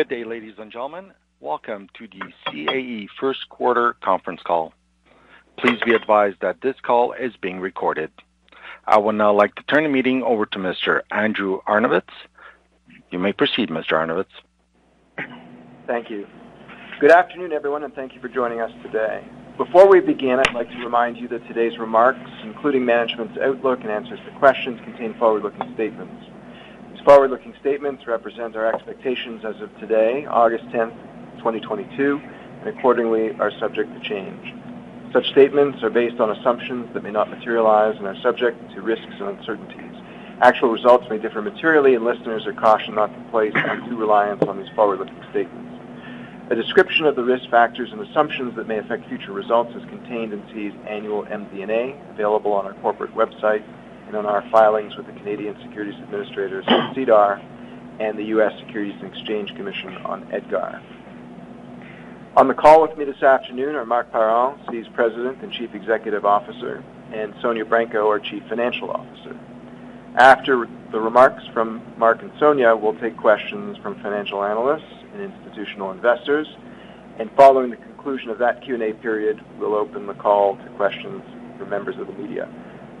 Good day, ladies and gentlemen. Welcome to the CAE First Quarter Conference Call. Please be advised that this call is being recorded. I would now like to turn the meeting over to Mr. Andrew Arnovitz. You may proceed, Mr. Arnovitz. Thank you. Good afternoon, everyone, and thank you for joining us today. Before we begin, I'd like to remind you that today's remarks, including management's outlook and answers to questions, contain forward-looking statements. These forward-looking statements represent our expectations as of today, August 10th, 2022, and accordingly are subject to change. Such statements are based on assumptions that may not materialize and are subject to risks and uncertainties. Actual results may differ materially, and listeners are cautioned not to place undue reliance on these forward-looking statements. A description of the risk factors and assumptions that may affect future results is contained in CAE's annual MD&A, available on our corporate website and on our filings with the Canadian Securities Administrators at SEDAR and the U.S. Securities and Exchange Commission on EDGAR. On the call with me this afternoon are Marc Parent, CAE's President and Chief Executive Officer, and Sonya Branco, our Chief Financial Officer. After the remarks from Marc and Sonya, we'll take questions from financial analysts and institutional investors, and following the conclusion of that Q&A period, we'll open the call to questions from members of the media.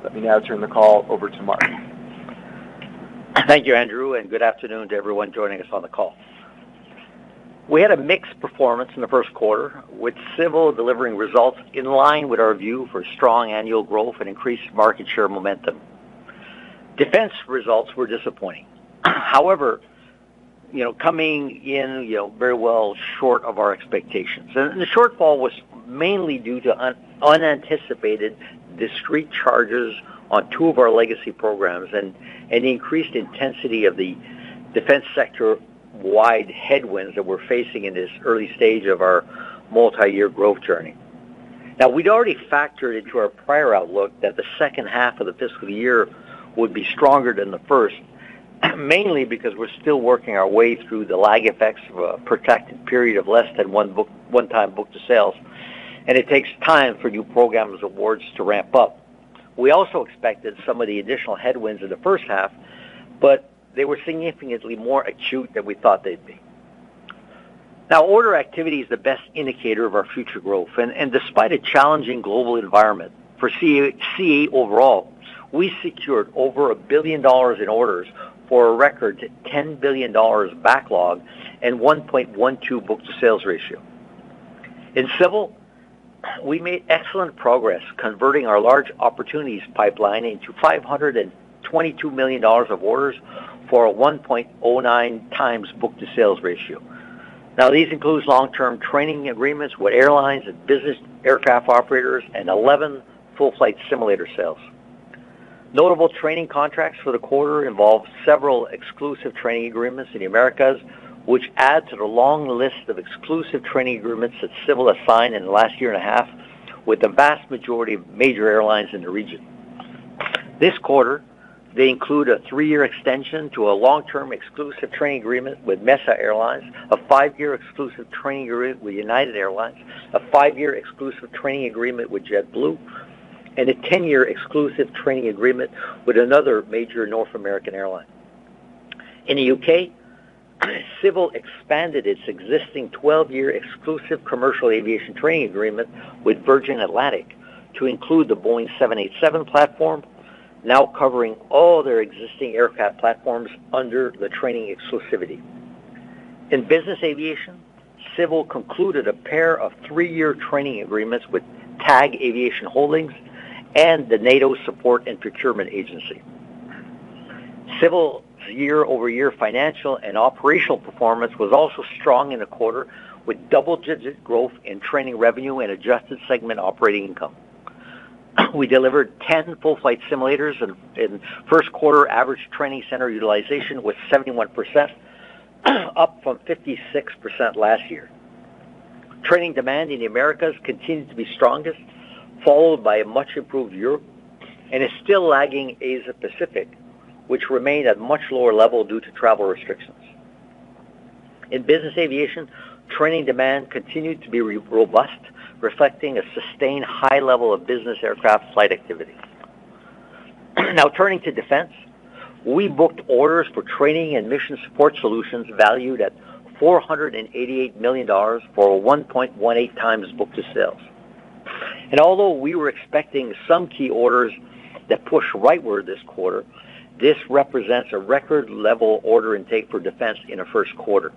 Let me now turn the call over to Marc. Thank you, Andrew, and good afternoon to everyone joining us on the call. We had a mixed performance in the first quarter, with Civil delivering results in line with our view for strong annual growth and increased market share momentum. Defense results were disappointing. However, you know, coming in, you know, very well short of our expectations. The shortfall was mainly due to unanticipated discrete charges on two of our legacy programs and increased intensity of the Defense sector-wide headwinds that we're facing in this early stage of our multi-year growth journey. Now, we'd already factored into our prior outlook that the second half of the fiscal year would be stronger than the first, mainly because we're still working our way through the lag effects of a protracted period of less than one book-to-sales, and it takes time for new programs awards to ramp up. We also expected some of the additional headwinds in the first half, but they were significantly more acute than we thought they'd be. Now, order activity is the best indicator of our future growth, and despite a challenging global environment for CAE overall, we secured over 1 billion dollars in orders for a record 10 billion dollars backlog and 1.12 book-to-sales ratio. In Civil, we made excellent progress converting our large opportunities pipeline into 522 million dollars of orders for a 1.09x book-to-sales ratio. Now, these include long-term training agreements with airlines and business aircraft operators and 11 full flight simulator sales. Notable training contracts for the quarter involved several exclusive training agreements in the Americas, which add to the long list of exclusive training agreements that Civil has signed in the last year and a half with the vast majority of major airlines in the region. This quarter, they include a three-year extension to a long-term exclusive training agreement with Mesa Airlines, a five-year exclusive training agreement with United Airlines, a five-year exclusive training agreement with JetBlue, and a 10-year exclusive training agreement with another major North American airline. In the UK, Civil expanded its existing 12-year exclusive commercial aviation training agreement with Virgin Atlantic to include the Boeing 787 platform, now covering all their existing aircraft platforms under the training exclusivity. In business aviation, Civil concluded a pair of three-year training agreements with TAG Aviation Holding and the NATO Support and Procurement Agency. Civil's YoY financial and operational performance was also strong in the quarter, with double-digit growth in training revenue and adjusted segment operating income. We delivered 10 full flight simulators in first quarter average training center utilization with 71%, up from 56% last year. Training demand in the Americas continued to be strongest, followed by a much improved Europe, and is still lagging Asia-Pacific, which remained at much lower level due to travel restrictions. In business aviation, training demand continued to be robust, reflecting a sustained high level of business aircraft flight activity. Now, turning to Defense, we booked orders for training and mission support solutions valued at 488 million dollars for a 1.18x book-to-sales. Although we were expecting some key orders that push rightward this quarter, this represents a record level order intake for Defense in a first quarter.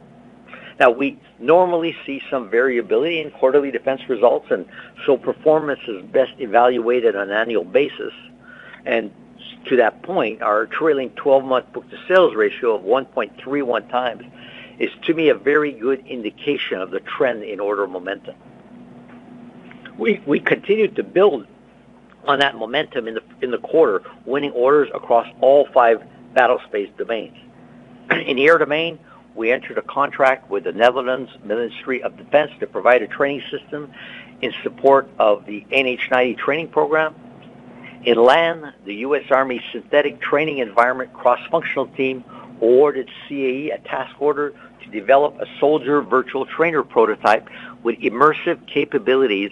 Now, we normally see some variability in quarterly Defense results, and so performance is best evaluated on an annual basis. To that point, our trailing 12-month book-to-sales ratio of 1.31x is to me a very good indication of the trend in order momentum. We continued to build on that momentum in the quarter, winning orders across all five battlespace domains. In Air domain, we entered a contract with the Netherlands Ministry of Defence to provide a training system in support of the NH90 training program. In Land, the US Army Synthetic Training Environment Cross-Functional Team awarded CAE a task order to develop a soldier virtual trainer prototype with immersive capabilities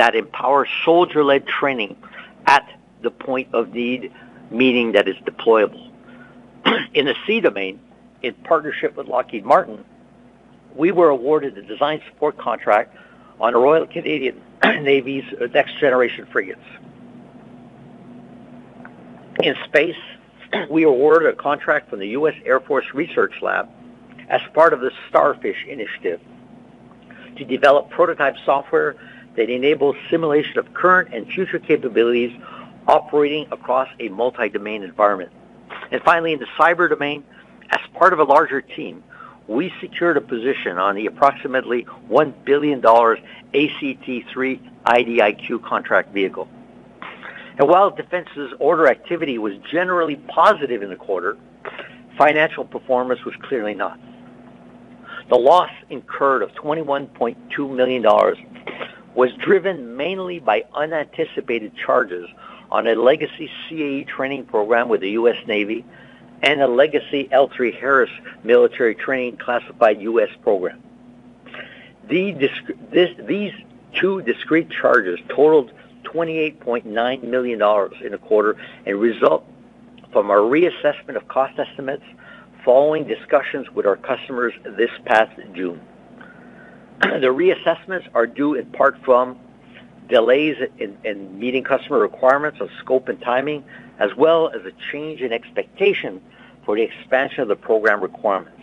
that empower soldier-led training. The point of need, meaning that is deployable. In the C domain, in partnership with Lockheed Martin, we were awarded the design support contract on Royal Canadian Navy's next generation frigates. In space, we awarded a contract from the Air Force Research Laboratory as part of the Starfish Initiative to develop prototype software that enables simulation of current and future capabilities operating across a multi-domain environment. Finally, in the cyber domain, as part of a larger team, we secured a position on the approximately $1 billion ACT-3 IDIQ contract vehicle. While Defense's order activity was generally positive in the quarter, financial performance was clearly not. The loss incurred of $21.2 million was driven mainly by unanticipated charges on a legacy CAE training program with the U.S. Navy and a legacy L3Harris military training classified U.S. program. These two discrete charges totaled $28.9 million in the quarter and result from our reassessment of cost estimates following discussions with our customers this past June. The reassessments are due in part from delays in meeting customer requirements of scope and timing, as well as a change in expectation for the expansion of the program requirements.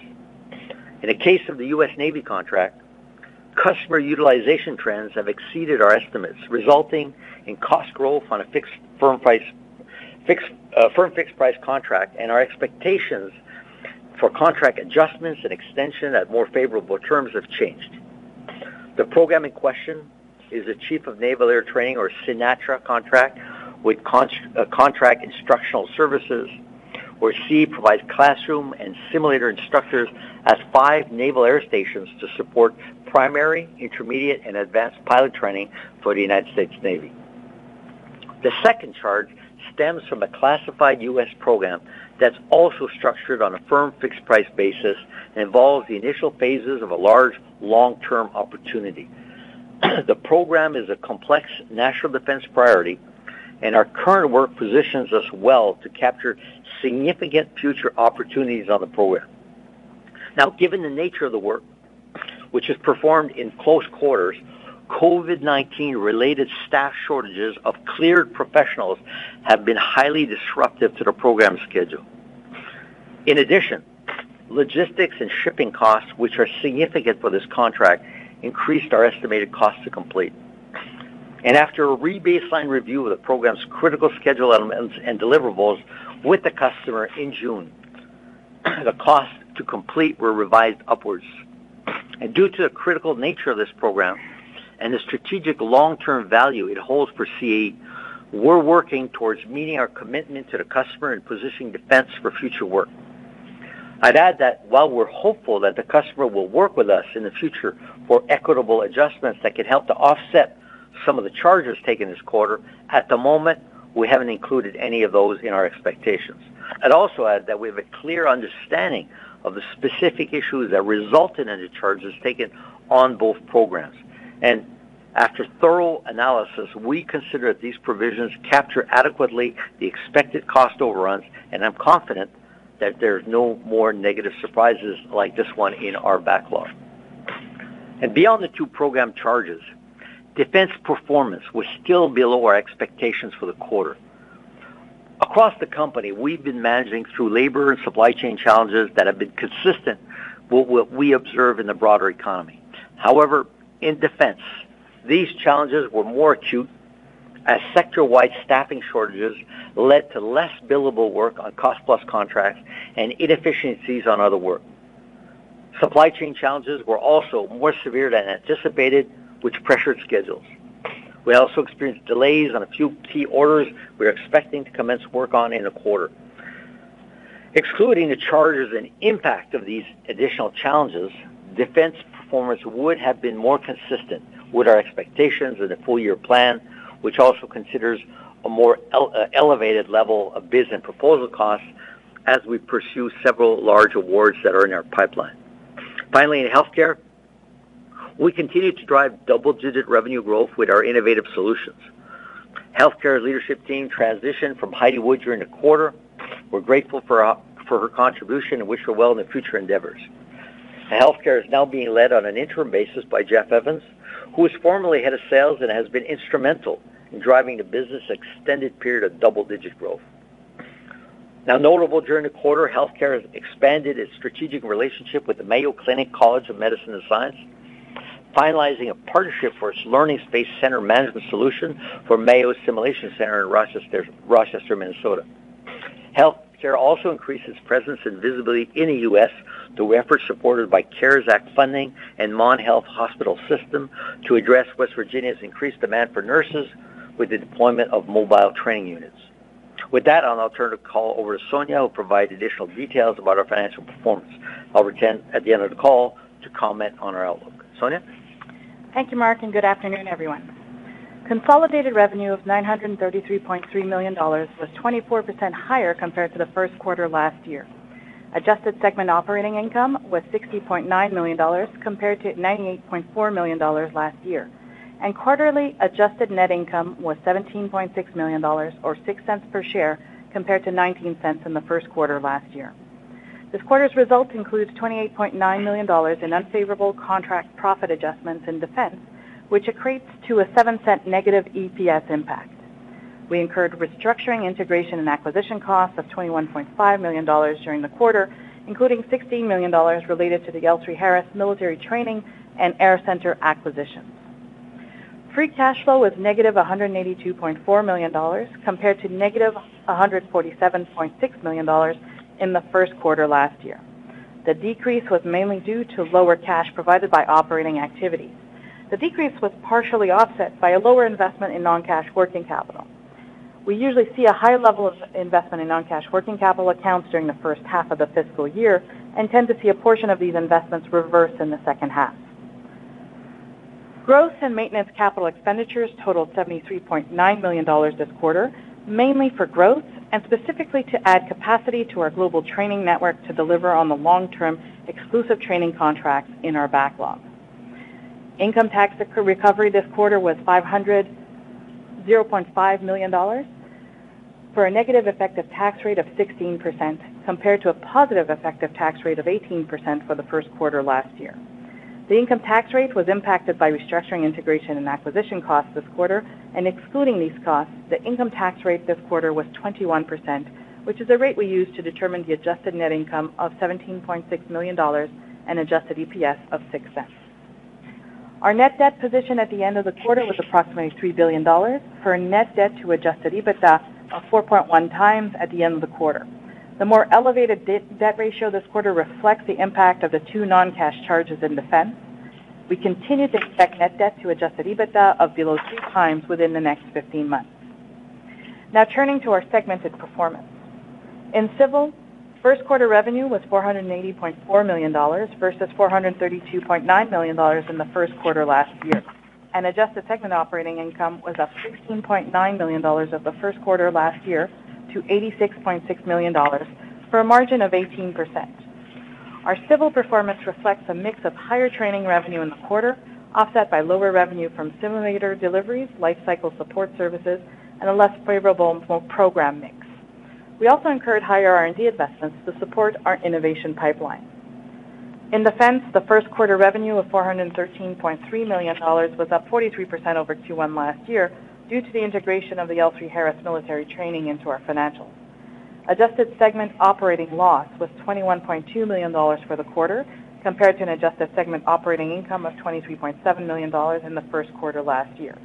In the case of the U.S. Navy contract, customer utilization trends have exceeded our estimates, resulting in cost growth on a firm fixed price contract, and our expectations for contract adjustments and extension at more favorable terms have changed. The program in question is the Chief of Naval Air Training, or CNATRA contract, with contract instructional services, where CAE provides classroom and simulator instructors at five naval air stations to support primary, intermediate, and advanced pilot training for the United States Navy. The second charge stems from a classified U.S. program that's also structured on a firm fixed price basis and involves the initial phases of a large, long-term opportunity. The program is a complex national defense priority, and our current work positions us well to capture significant future opportunities on the program. Now, given the nature of the work, which is performed in close quarters, COVID-19-related staff shortages of cleared professionals have been highly disruptive to the program schedule. In addition, logistics and shipping costs, which are significant for this contract, increased our estimated cost to complete. After a rebaseline review of the program's critical schedule elements and deliverables with the customer in June, the cost to complete were revised upwards. Due to the critical nature of this program and the strategic long-term value it holds for CAE, we're working towards meeting our commitment to the customer and positioning Defense for future work. I'd add that while we're hopeful that the customer will work with us in the future for equitable adjustments that could help to offset some of the charges taken this quarter, at the moment, we haven't included any of those in our expectations. I'd also add that we have a clear understanding of the specific issues that resulted in the charges taken on both programs. After thorough analysis, we consider that these provisions capture adequately the expected cost overruns, and I'm confident that there's no more negative surprises like this one in our backlog. Beyond the two program charges, Defense performance was still below our expectations for the quarter. Across the company, we've been managing through labor and supply chain challenges that have been consistent with what we observe in the broader economy. However, in Defense, these challenges were more acute as sector-wide staffing shortages led to less billable work on cost-plus contracts and inefficiencies on other work. Supply chain challenges were also more severe than anticipated, which pressured schedules. We also experienced delays on a few key orders we were expecting to commence work on in the quarter. Excluding the charges and impact of these additional challenges, Defense performance would have been more consistent with our expectations and the full-year plan, which also considers a more elevated level of business proposal costs as we pursue several large awards that are in our pipeline. Finally, in Healthcare, we continue to drive double-digit revenue growth with our innovative solutions. Healthcare leadership team transitioned from Heidi Wood during the quarter. We're grateful for her contribution and wish her well in her future endeavors. Healthcare is now being led on an interim basis by Jeff Evans, who is formerly head of sales and has been instrumental in driving the business' extended period of double-digit growth. Now, notable during the quarter, Healthcare has expanded its strategic relationship with the Mayo Clinic College of Medicine and Science, finalizing a partnership for its LearningSpace center management solution for Mayo's Simulation Center in Rochester, Minnesota. Healthcare also increased its presence and visibility in the U.S. through efforts supported by CARES Act funding and Mon Health System to address West Virginia's increased demand for nurses with the deployment of mobile training units. With that, I'll now turn the call over to Sonya, who will provide additional details about our financial performance. I'll return at the end of the call to comment on our outlook. Sonya? Thank you, Marc, and good afternoon, everyone. Consolidated revenue of 933.3 million dollars was 24% higher compared to the first quarter last year. Adjusted segment operating income was 60.9 million dollars compared to 98.4 million dollars last year, and quarterly Adjusted net income was 17.6 million dollars or 0.06 per share, compared to 0.19 in the first quarter last year. This quarter's results include 28.9 million dollars in unfavorable contract profit adjustments in Defense, which accretes to a 0.07 negative EPS impact. We incurred restructuring, integration, and acquisition costs of 21.5 million dollars during the quarter, including 16 million dollars related to the L3Harris military training and AirCentre acquisitions. Free cash flow was -182.4 million dollars compared to -147.6 million dollars in the first quarter last year. The decrease was mainly due to lower cash provided by operating activity. The decrease was partially offset by a lower investment in non-cash working capital. We usually see a high level of investment in non-cash working capital accounts during the first half of the fiscal year and tend to see a portion of these investments reverse in the second half. Growth and maintenance capital expenditures totaled 73.9 million dollars this quarter, mainly for growth and specifically to add capacity to our global training network to deliver on the long-term exclusive training contracts in our backlog. Income tax recovery this quarter was CAD 500. 0.5 million dollars for a negative effective tax rate of 16%, compared to a positive effective tax rate of 18% for the first quarter last year. The income tax rate was impacted by restructuring, integration, and acquisition costs this quarter, and excluding these costs, the income tax rate this quarter was 21%, which is a rate we use to determine the Adjusted net income of 17.6 million dollars and Adjusted EPS of 0.06. Our net debt position at the end of the quarter was approximately 3 billion dollars for a net debt to Adjusted EBITDA of 4.1x at the end of the quarter. The more elevated debt ratio this quarter reflects the impact of the two non-cash charges in Defense. We continue to expect net debt to Adjusted EBITDA of below 2x within the next 15 months. Now turning to our segmented performance. In Civil, first quarter revenue was 480.4 million dollars versus 432.9 million dollars in the first quarter last year, and Adjusted segment operating income was up 16.9 million dollars from the first quarter last year to 86.6 million dollars for a margin of 18%. Our Civil performance reflects a mix of higher training revenue in the quarter, offset by lower revenue from simulator deliveries, life cycle support services, and a less favorable program mix. We also incurred higher R&D investments to support our innovation pipeline. In Defense, the first quarter revenue of 413.3 million dollars was up 43% over Q1 last year due to the integration of the L3Harris military training into our financials. Adjusted segment operating loss was 21.2 million dollars for the quarter, compared to an Adjusted segment operating income of 23.7 million dollars in the first quarter last year.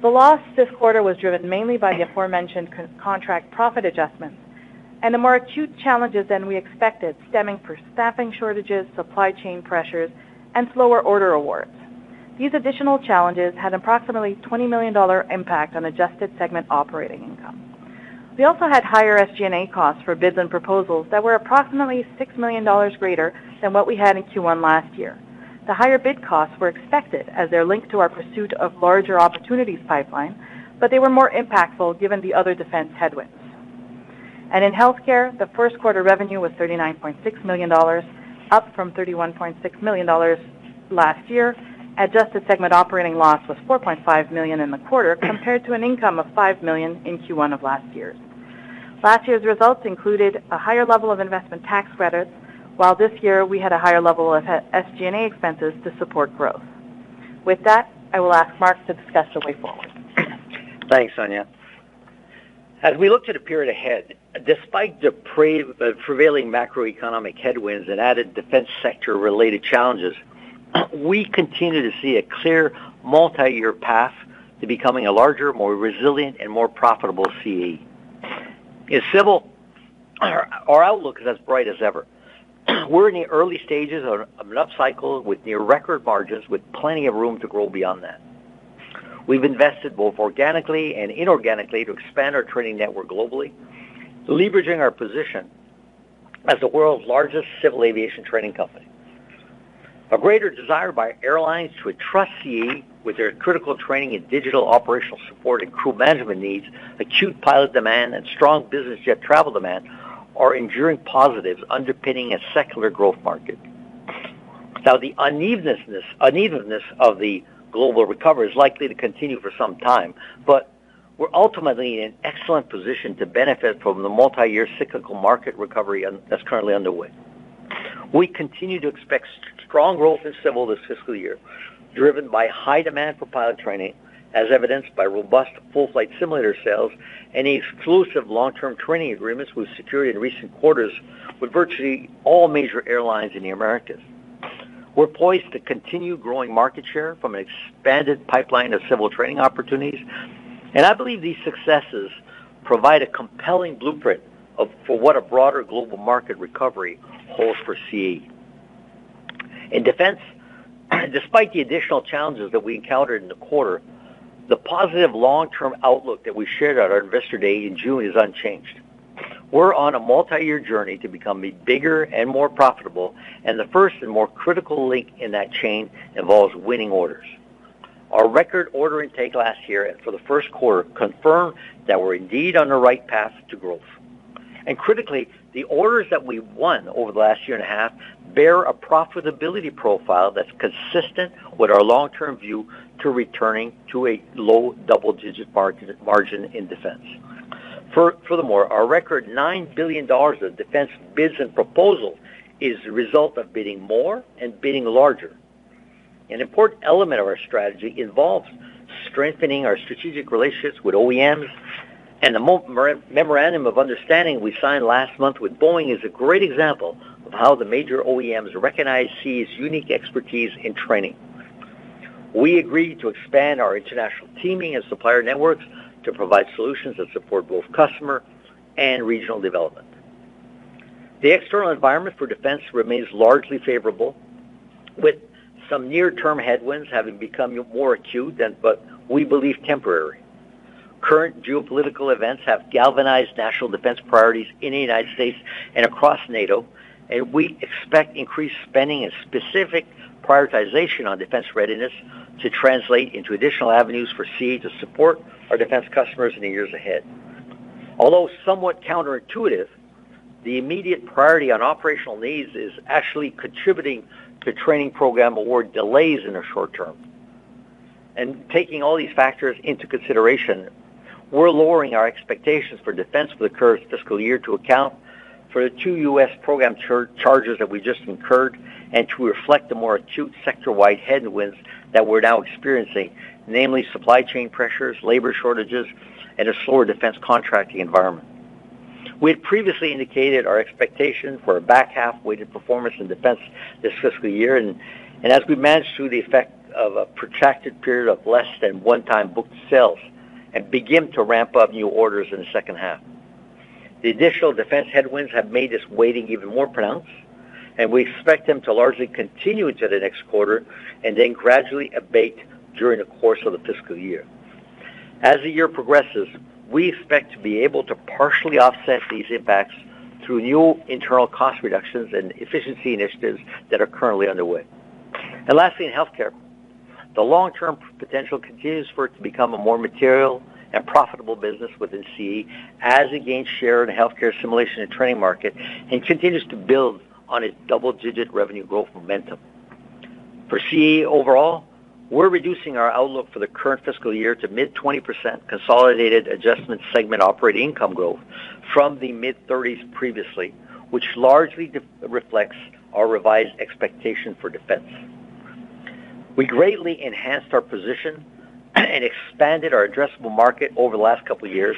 The loss this quarter was driven mainly by the aforementioned contract profit adjustments and the more acute challenges than we expected, stemming from staffing shortages, supply chain pressures, and slower order awards. These additional challenges had approximately 20 million dollar impact on Adjusted segment operating income. We also had higher SG&A costs for bids and proposals that were approximately 6 million dollars greater than what we had in Q1 last year. The higher bid costs were expected as they're linked to our pursuit of larger opportunities pipeline, but they were more impactful given the other Defense headwinds. In Healthcare, the first quarter revenue was 39.6 million dollars, up from 31.6 million dollars last year. Adjusted segment operating loss was 4.5 million in the quarter compared to an income of 5 million in Q1 of last year. Last year's results included a higher level of investment tax credits, while this year we had a higher level of SG&A expenses to support growth. With that, I will ask Marc to discuss the way forward. Thanks, Sonya. As we look to the period ahead, despite the prevailing macroeconomic headwinds and added Defense sector-related challenges, we continue to see a clear multi-year path to becoming a larger, more resilient, and more profitable CAE. In Civil, our outlook is as bright as ever. We're in the early stages of an upcycle with near record margins with plenty of room to grow beyond that. We've invested both organically and inorganically to expand our training network globally, leveraging our position as the world's largest Civil aviation training company. A greater desire by airlines to trust CAE with their critical training in digital operational support and crew management needs, acute pilot demand, and strong business jet travel demand are enduring positives underpinning a secular growth market. Now, the unevenness of the global recovery is likely to continue for some time, but we're ultimately in an excellent position to benefit from the multi-year cyclical market recovery that's currently underway. We continue to expect strong growth in Civil this fiscal year, driven by high demand for pilot training, as evidenced by robust full flight simulator sales and exclusive long-term training agreements we've secured in recent quarters with virtually all major airlines in the Americas. We're poised to continue growing market share from an expanded pipeline of Civil training opportunities, and I believe these successes provide a compelling blueprint for what a broader global market recovery holds for CAE. In Defense, despite the additional challenges that we encountered in the quarter, the positive long-term outlook that we shared at our Investor Day in June is unchanged. We're on a multi-year journey to become bigger and more profitable, and the first and more critical link in that chain involves winning orders. Our record order intake last year and for the first quarter confirm that we're indeed on the right path to growth. Critically, the orders that we won over the last year and a half bear a profitability profile that's consistent with our long-term view to returning to a low double-digit margin in Defense. Furthermore, our record $9 billion of Defense bids and proposals is the result of bidding more and bidding larger. An important element of our strategy involves strengthening our strategic relationships with OEMs, and the memorandum of understanding we signed last month with Boeing is a great example of how the major OEMs recognize CAE's unique expertise in training. We agreed to expand our international teaming and supplier networks to provide solutions that support both customer and regional development. The external environment for Defense remains largely favorable, with some near-term headwinds having become more acute, but we believe temporary. Current geopolitical events have galvanized national Defense priorities in the United States and across NATO, and we expect increased spending and specific prioritization on Defense readiness to translate into additional avenues for CAE to support our Defense customers in the years ahead. Although somewhat counterintuitive, the immediate priority on operational needs is actually contributing to training program award delays in the short term. Taking all these factors into consideration, we're lowering our expectations for Defense for the current fiscal year to account for the two U.S. program charges that we just incurred and to reflect the more acute sector-wide headwinds that we're now experiencing, namely supply chain pressures, labor shortages, and a slower Defense contracting environment. We had previously indicated our expectation for a back half-weighted performance in Defense this fiscal year as we managed through the effect of a protracted period of less than one-times book-to-sales and begin to ramp up new orders in the second half. The initial Defense headwinds have made this weighting even more pronounced, and we expect them to largely continue into the next quarter and then gradually abate during the course of the fiscal year. As the year progresses, we expect to be able to partially offset these impacts through new internal cost reductions and efficiency initiatives that are currently underway. Lastly, in Healthcare, the long-term potential continues for it to become a more material and profitable business within CAE as it gains share in the Healthcare simulation and training market and continues to build on its double-digit revenue growth momentum. For CAE overall, we're reducing our outlook for the current fiscal year to mid-20% consolidated Adjusted segment operating income growth from the mid-30s previously, which largely reflects our revised expectation for Defense. We greatly enhanced our position and expanded our addressable market over the last couple of years,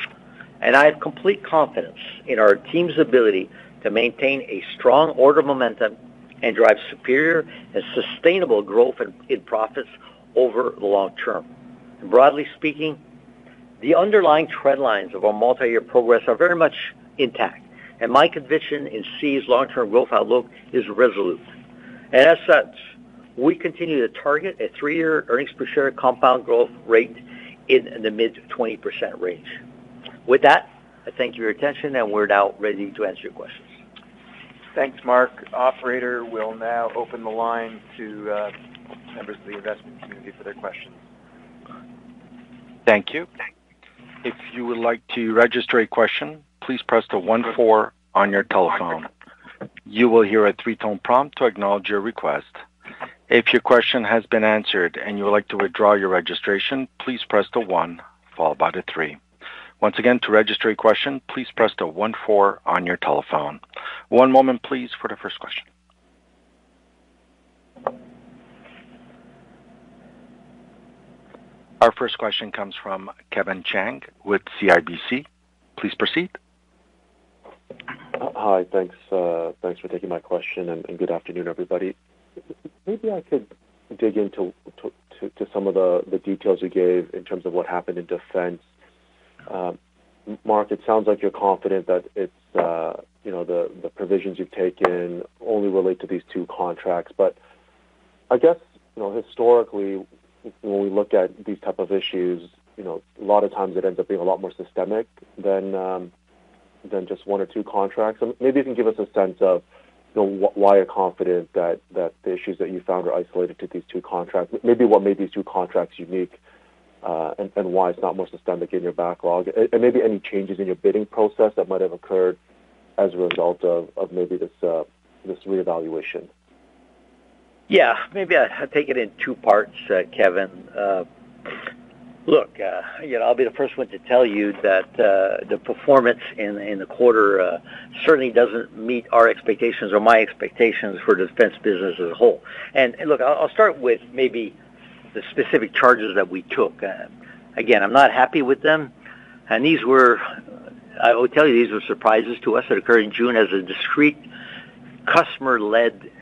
and I have complete confidence in our team's ability to maintain a strong order momentum and drive superior and sustainable growth in profits over the long term. Broadly speaking, the underlying trend lines of our multi-year progress are very much intact, and my conviction in CAE's long-term growth outlook is resolute. As such, we continue to target a three-year earnings per share compound growth rate in the mid-20% range. With that, I thank you for your attention, and we're now ready to answer your questions. Thanks, Marc. Operator, we'll now open the line to members of the investment community for their questions. Thank you. If you would like to register a question, please press the one four on your telephone. You will hear a three-tone prompt to acknowledge your request. If your question has been answered and you would like to withdraw your registration, please press the one followed by the three. Once again, to register a question, please press the one four on your telephone. One moment, please, for the first question. Our first question comes from Kevin Chiang with CIBC. Please proceed. Hi. Thanks for taking my question, and good afternoon, everybody. Maybe I could dig into some of the details you gave in terms of what happened in Defense. Marc, it sounds like you're confident that it's, you know, the provisions you've taken only relate to these two contracts. I guess, you know, historically, when we look at these type of issues, you know, a lot of times it ends up being a lot more systemic than just one or two contracts. Maybe you can give us a sense of, you know, why you're confident that the issues that you found are isolated to these two contracts. Maybe what made these two contracts unique, and why it's not more systemic in your backlog, and maybe any changes in your bidding process that might have occurred as a result of maybe this reevaluation. Yeah. Maybe I'll take it in two parts, Kevin. Look, you know, I'll be the first one to tell you that the performance in the quarter certainly doesn't meet our expectations or my expectations for Defense business as a whole. Look, I'll start with maybe the specific charges that we took. Again, I'm not happy with them. These were surprises to us that occurred in June as a discrete customer-led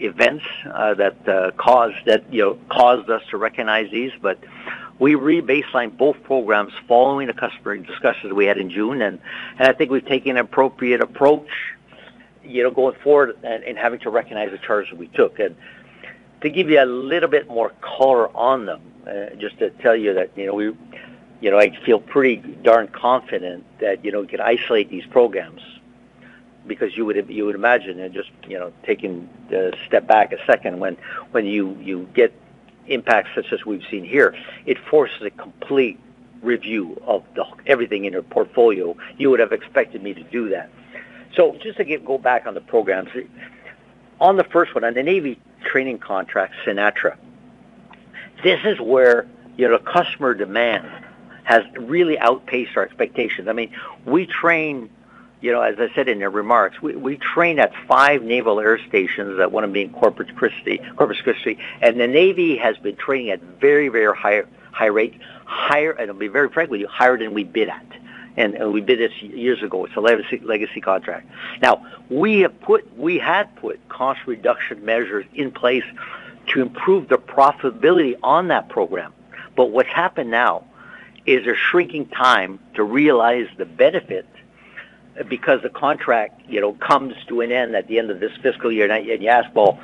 events that caused us to recognize these. You know, we rebaselined both programs following the customer discussions we had in June. I think we've taken an appropriate approach going forward and having to recognize the charges we took. To give you a little bit more color on them, just to tell you that, you know, I feel pretty darn confident that, you know, we could isolate these programs. Because you would imagine, and just, you know, taking a step back a second when you get impacts such as we've seen here, it forces a complete review of everything in your portfolio. You would have expected me to do that. Just to go back on the programs. On the first one, on the Navy training contract, CNATRA, this is where, you know, customer demand has really outpaced our expectations. I mean, we train, you know, as I said in the remarks, we train at five naval air stations, one of them being Corpus Christi. The Navy has been training at a very high rate, higher and, to be very frankly, higher than we bid at. We bid this years ago. It's a legacy contract. We had put cost reduction measures in place to improve the profitability on that program. What's happened now is they're shrinking time to realize the benefit because the contract, you know, comes to an end at the end of this fiscal year. You ask, "Well,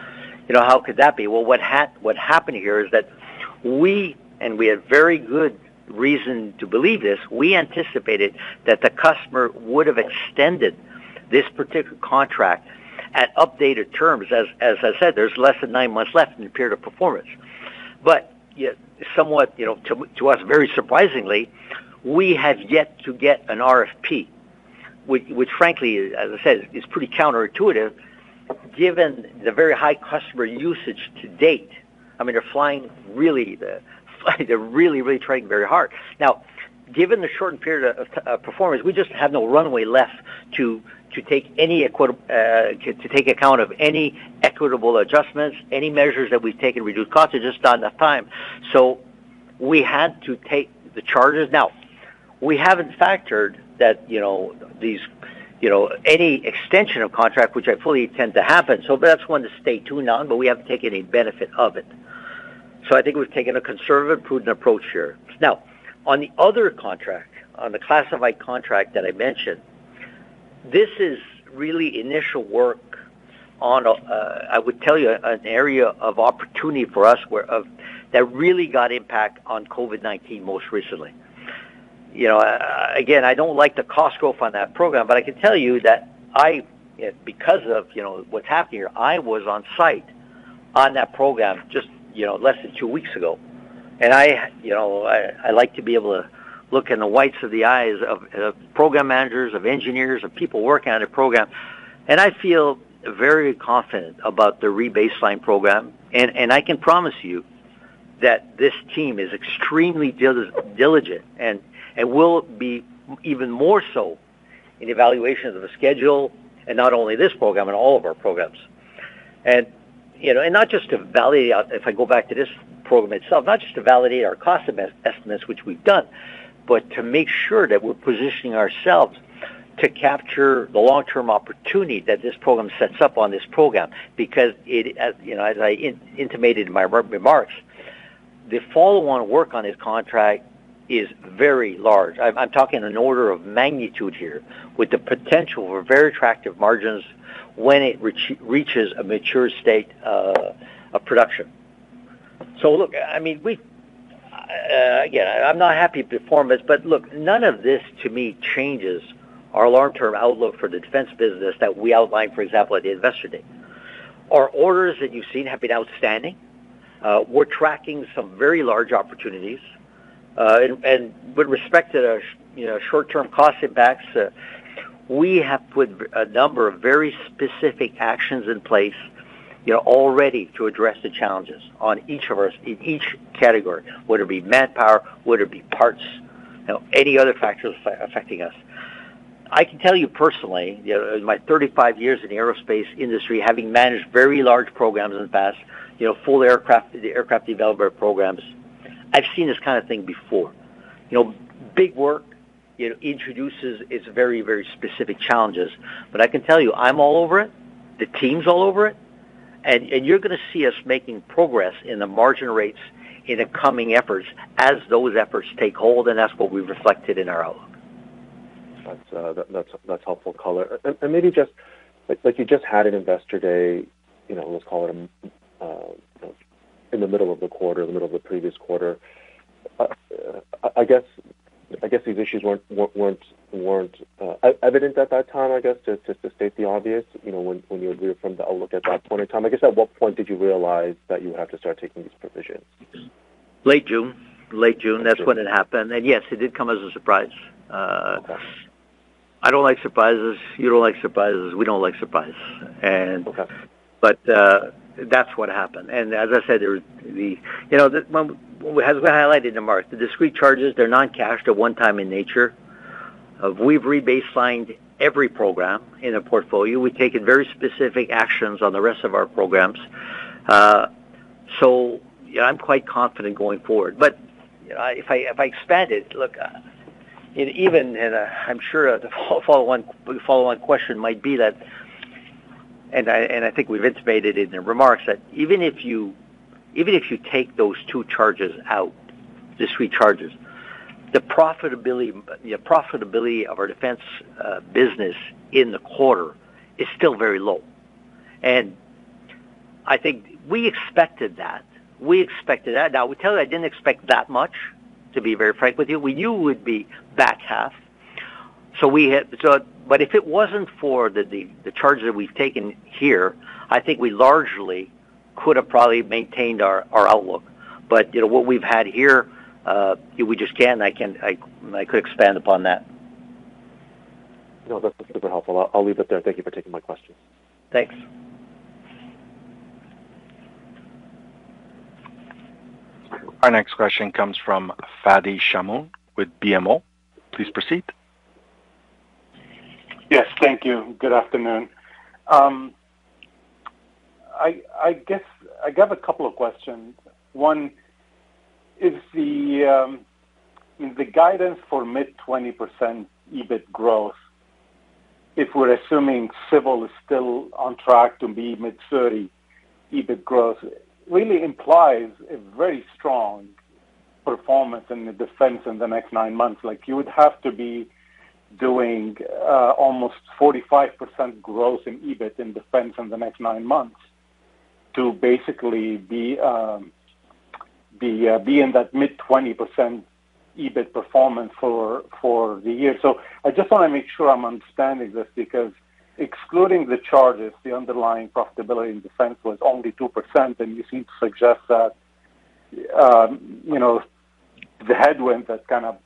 you know, how could that be?" What happened here is that we had very good reason to believe this. We anticipated that the customer would have extended this particular contract at updated terms. As I said, there's less than nine months left in the period of performance. Yet somewhat to us, very surprisingly, we have yet to get an RFP, which frankly, as I said, is pretty counterintuitive given the very high customer usage to date. I mean, they're really training very hard. Now, given the shortened period of performance, we just have no runway left to take account of any equitable adjustments, any measures that we've taken to reduce costs. There's just not enough time. We had to take the charges. Now, we haven't factored that these any extension of contract, which I fully intend to happen. That's one to stay tuned on, but we haven't taken any benefit of it. I think we've taken a conservative, prudent approach here. Now, on the other contract, on the classified contract that I mentioned, this is really initial work on a, I would tell you, an area of opportunity for us where that really got impacted by COVID-19 most recently. You know, again, I don't like the cost scope on that program, but I can tell you that I, because of, you know, what's happening here, I was on site on that program just, you know, less than two weeks ago. You know, I like to be able to look in the whites of the eyes of program managers, of engineers, of people working on a program. I feel very confident about the rebaseline program. I can promise you that this team is extremely diligent and will be even more so in evaluations of the schedule, and not only this program, in all of our programs. You know, not just to validate, if I go back to this program itself, not just to validate our cost estimates, which we've done, but to make sure that we're positioning ourselves to capture the long-term opportunity that this program sets up on this program. Because it, as you know, as I intimated in my remarks, the follow-on work on this contract is very large. I'm talking an order of magnitude here with the potential for very attractive margins when it reaches a mature state of production. Look, I mean, we again, I'm not happy with performance, but look, none of this to me changes our long-term outlook for the Defense business that we outlined, for example, at the Investor Day. Our orders that you've seen have been outstanding. We're tracking some very large opportunities. And with respect to the, you know, short-term cost impacts, we have put a number of very specific actions in place, you know, already to address the challenges in each category, whether it be manpower, whether it be parts, you know, any other factors affecting us. I can tell you personally, you know, in my 35 years in the aerospace industry, having managed very large programs in the past, you know, full aircraft developer programs, I've seen this kind of thing before. You know, big work, you know, introduces its very, very specific challenges. I can tell you, I'm all over it. The team's all over it. You're gonna see us making progress in the margin rates in the coming efforts as those efforts take hold, and that's what we've reflected in our outlook. That's helpful color. Maybe just, like, you just had an Investor Day, you know, let's call it, in the middle of the quarter, in the middle of the previous quarter. I guess these issues weren't evident at that time, I guess, just to state the obvious. You know, when you reviewed from the outlook at that point in time. I guess, at what point did you realize that you have to start taking these provisions? Late June. Okay. That's when it happened. Yes, it did come as a surprise. Okay. I don't like surprises. You don't like surprises. We don't like surprises. Okay. That's what happened. As I said, as I highlighted in the remarks, the discrete charges, they're non-cash. They're one-time in nature. We've rebaselined every program in the portfolio. We've taken very specific actions on the rest of our programs. So yeah, I'm quite confident going forward. If I expand it, look, and even, and I'm sure the follow-on question might be that, and I think we've intimated in the remarks that even if you take those two charges out, the three charges, the profitability of our Defense business in the quarter is still very low. I think we expected that. We expected that. Now, we tell you, I didn't expect that much, to be very frank with you. We knew it would be back half. If it wasn't for the charges that we've taken here, I think we largely could have probably maintained our outlook. You know, what we've had here, we just can't. I could expand upon that. No, that's super helpful. I'll leave it there. Thank you for taking my question. Thanks. Our next question comes from Fadi Chamoun with BMO. Please proceed. Yes. Thank you. Good afternoon. I guess I got a couple of questions. One is the guidance for mid-20% EBIT growth, if we're assuming Civil is still on track to be mid-30% EBIT growth, really implies a very strong performance in the Defense in the next nine months. Like, you would have to be doing almost 45% growth in EBIT in Defense in the next nine months to basically be in that mid-20% EBIT performance for the year. I just want to make sure I'm understanding this because excluding the charges, the underlying profitability in Defense was only 2%, and you seem to suggest that, you know, the headwind that kind of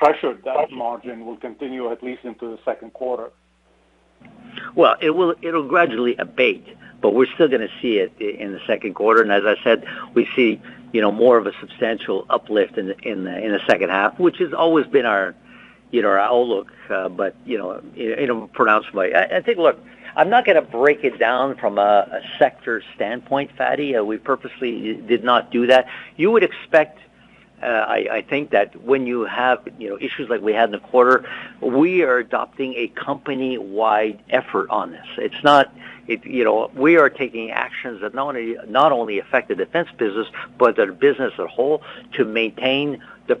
pressured that margin will continue at least into the second quarter. Well, it'll gradually abate, but we're still gonna see it in the second quarter. As I said, we see, you know, more of a substantial uplift in the second half, which has always been our, you know, our outlook, but, you know, in a pronounced way. I think, look, I'm not gonna break it down from a sector standpoint, Fadi. We purposely did not do that. You would expect, I think that when you have, you know, issues like we had in the quarter, we are adopting a company-wide effort on this. It's not, you know, we are taking actions that not only affect the Defense business, but the business as a whole to maintain the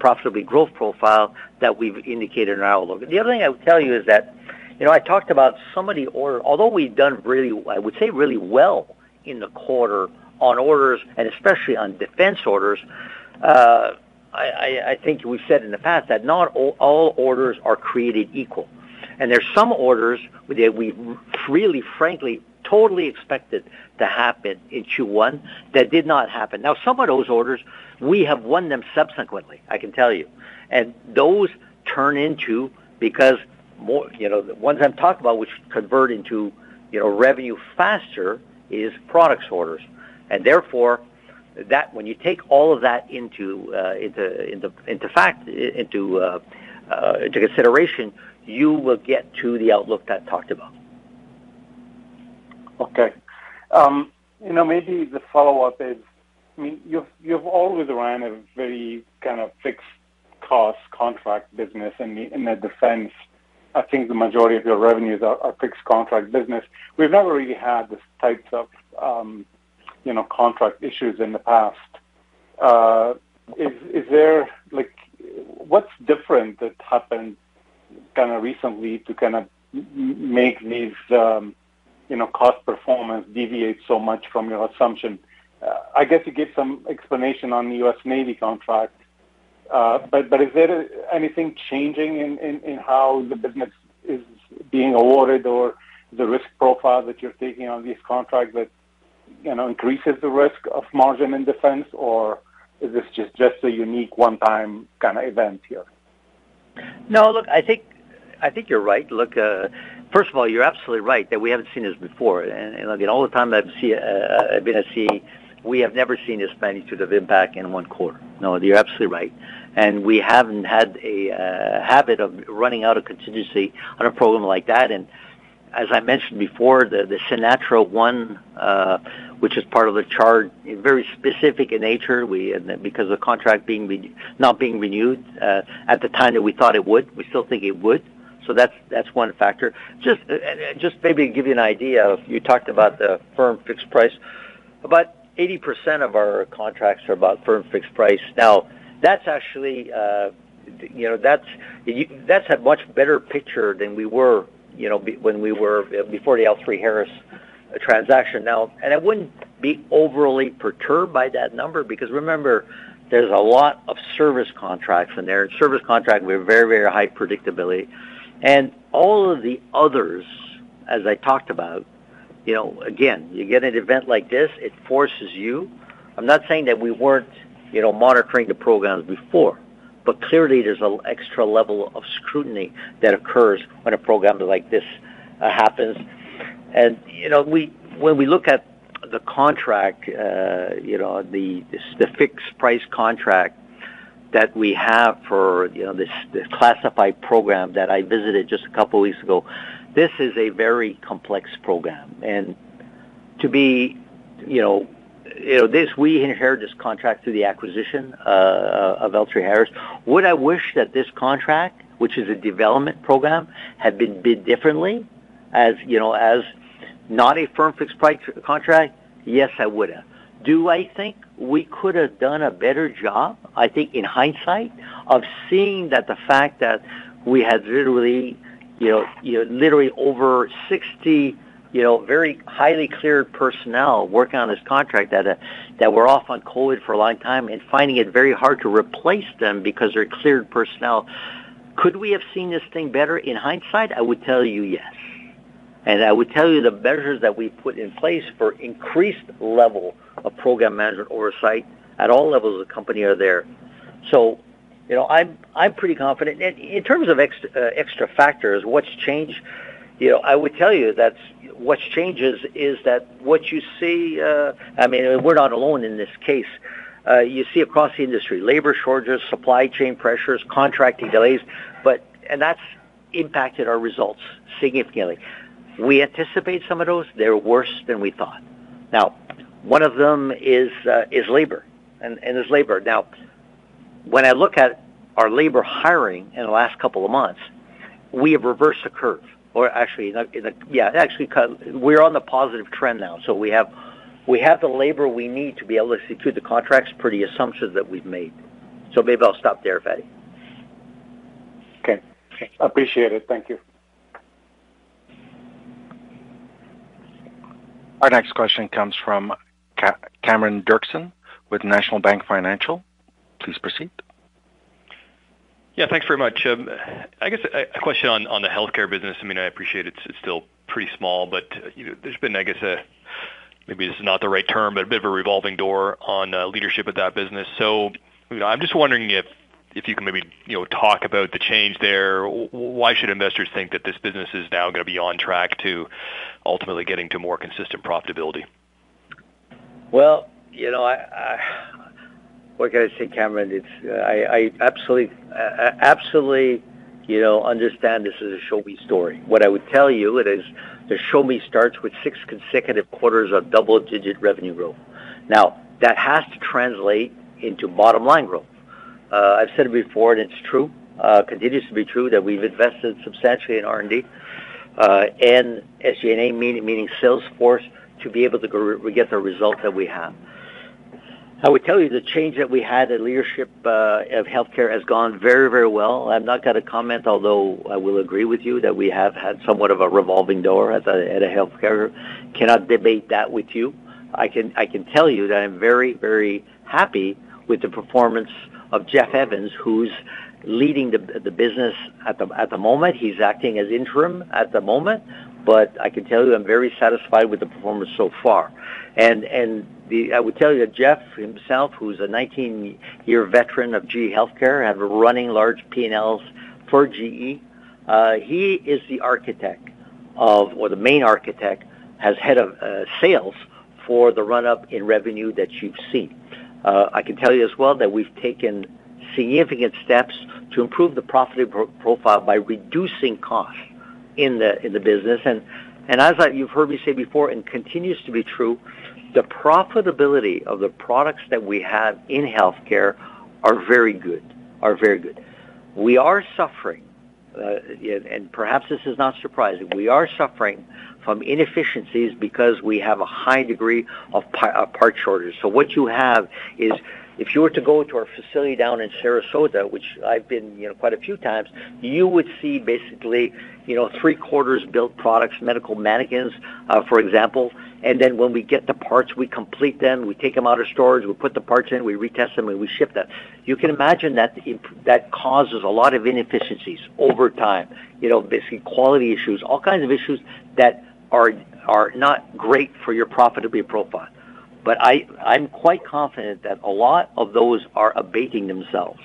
profitability growth profile that we've indicated in our outlook. The other thing I would tell you is that, you know, I talked about some of the orders. Although we've done really, I would say, really well in the quarter on orders, and especially on Defense orders, I think we've said in the past that not all orders are created equal. There's some orders that we really, frankly, totally expected to happen in Q1 that did not happen. Now, some of those orders, we have won them subsequently, I can tell you. Those turn into because more, you know, the ones I'm talking about, which convert into, you know, revenue faster is product orders. Therefore, when you take all of that into consideration, you will get to the outlook that I talked about. Okay. You know, maybe the follow-up is, I mean, you've always run a very kind of fixed cost contract business in the Defense. I think the majority of your revenues are fixed contract business. We've never really had these types of, you know, contract issues in the past. Is there like what's different that happened kinda recently to kinda make these, you know, cost performance deviate so much from your assumption? I guess you gave some explanation on the U.S. Navy contract. But is there anything changing in how the business is being awarded or the risk profile that you're taking on these contracts that, you know, increases the risk of margin in Defense? Or is this just a unique one-time kinda event here? No, look, I think you're right. Look, first of all, you're absolutely right that we haven't seen this before. Again, all the time I've been at CAE, we have never seen this magnitude of impact in one quarter. No, you're absolutely right. We haven't had a habit of running out of contingency on a program like that. As I mentioned before, the CNATRA, which is part of the charge, very specific in nature, and because the contract not being renewed at the time that we thought it would, we still think it would. That's one factor. Just maybe give you an idea, you talked about the Firm-Fixed-Price. About 80% of our contracts are Firm-Fixed-Price. Now, that's actually, you know, that's a much better picture than we were, you know, when we were before the L3Harris transaction. Now, I wouldn't be overly perturbed by that number because remember, there's a lot of service contracts in there. Service contract, we have very, very high predictability. All of the others, as I talked about, you know, again, you get an event like this, it forces you. I'm not saying that we weren't, you know, monitoring the programs before, but clearly there's an extra level of scrutiny that occurs when a program like this happens. You know, we, when we look at the contract, you know, the fixed price contract that we have for, you know, this classified program that I visited just a couple weeks ago, this is a very complex program. We inherited this contract through the acquisition of L3Harris. Would I wish that this contract, which is a development program, had been bid differently as, you know, as not a firm-fixed-price contract? Yes, I would have. Do I think we could have done a better job, I think in hindsight, of seeing that the fact that we had literally over 60 very highly cleared personnel working on this contract that were off on COVID for a long time and finding it very hard to replace them because they're cleared personnel. Could we have seen this thing better in hindsight? I would tell you yes. I would tell you the measures that we put in place for increased level of program management oversight at all levels of the company are there. You know, I'm pretty confident. In terms of extra factors, what's changed, you know, I would tell you that what's changed is that what you see, I mean, we're not alone in this case. You see across the industry, labor shortages, supply chain pressures, contracting delays, but and that's impacted our results significantly. We anticipate some of those, they're worse than we thought. Now, one of them is labor. Now, when I look at our labor hiring in the last couple of months, we have reversed the curve. Actually, we're on the positive trend now. We have the labor we need to be able to execute the contracts per the assumptions that we've made. Maybe I'll stop there, Fadi. Okay. Appreciate it. Thank you. Our next question comes from Cameron Doerksen with National Bank Financial. Please proceed. Yeah, thanks very much. I guess a question on the Healthcare business. I mean, I appreciate it's still pretty small, but, you know, there's been, I guess, maybe this is not the right term, but a bit of a revolving door on leadership of that business. You know, I'm just wondering if you can maybe, you know, talk about the change there. Why should investors think that this business is now gonna be on track to ultimately getting to more consistent profitability? Well, you know, what can I say, Cameron? It's I absolutely, you know, understand this is a show me story. What I would tell you it is, the show me starts with six consecutive quarters of double-digit revenue growth. Now, that has to translate into bottom line growth. I've said it before, and it's true, continues to be true, that we've invested substantially in R&D and SG&A, meaning sales force, to be able to regain the result that we have. I would tell you the change that we had in leadership of Healthcare has gone very well. I've not got a comment, although I will agree with you that we have had somewhat of a revolving door at Healthcare. Cannot debate that with you. I can tell you that I'm very, very happy with the performance of Jeff Evans, who's leading the business at the moment. He's acting as interim at the moment, but I can tell you I'm very satisfied with the performance so far. I would tell you that Jeff himself, who's a 19-year veteran of GE HealthCare, have been running large P&Ls for GE, he is the architect of or the main architect as head of sales for the run-up in revenue that you've seen. I can tell you as well that we've taken significant steps to improve the profitability profile by reducing costs in the business. You've heard me say before, and continues to be true, the profitability of the products that we have in Healthcare are very good, are very good. We are suffering, and perhaps this is not surprising. We are suffering from inefficiencies because we have a high degree of part shortages. What you have is, if you were to go into our facility down in Sarasota, which I've been, you know, quite a few times, you would see basically, you know, three-quarters built products, medical mannequins, for example. Then when we get the parts, we complete them, we take them out of storage, we put the parts in, we retest them, and we ship them. You can imagine that causes a lot of inefficiencies over time. You know, basically quality issues, all kinds of issues that are not great for your profitability profile. I'm quite confident that a lot of those are abating themselves.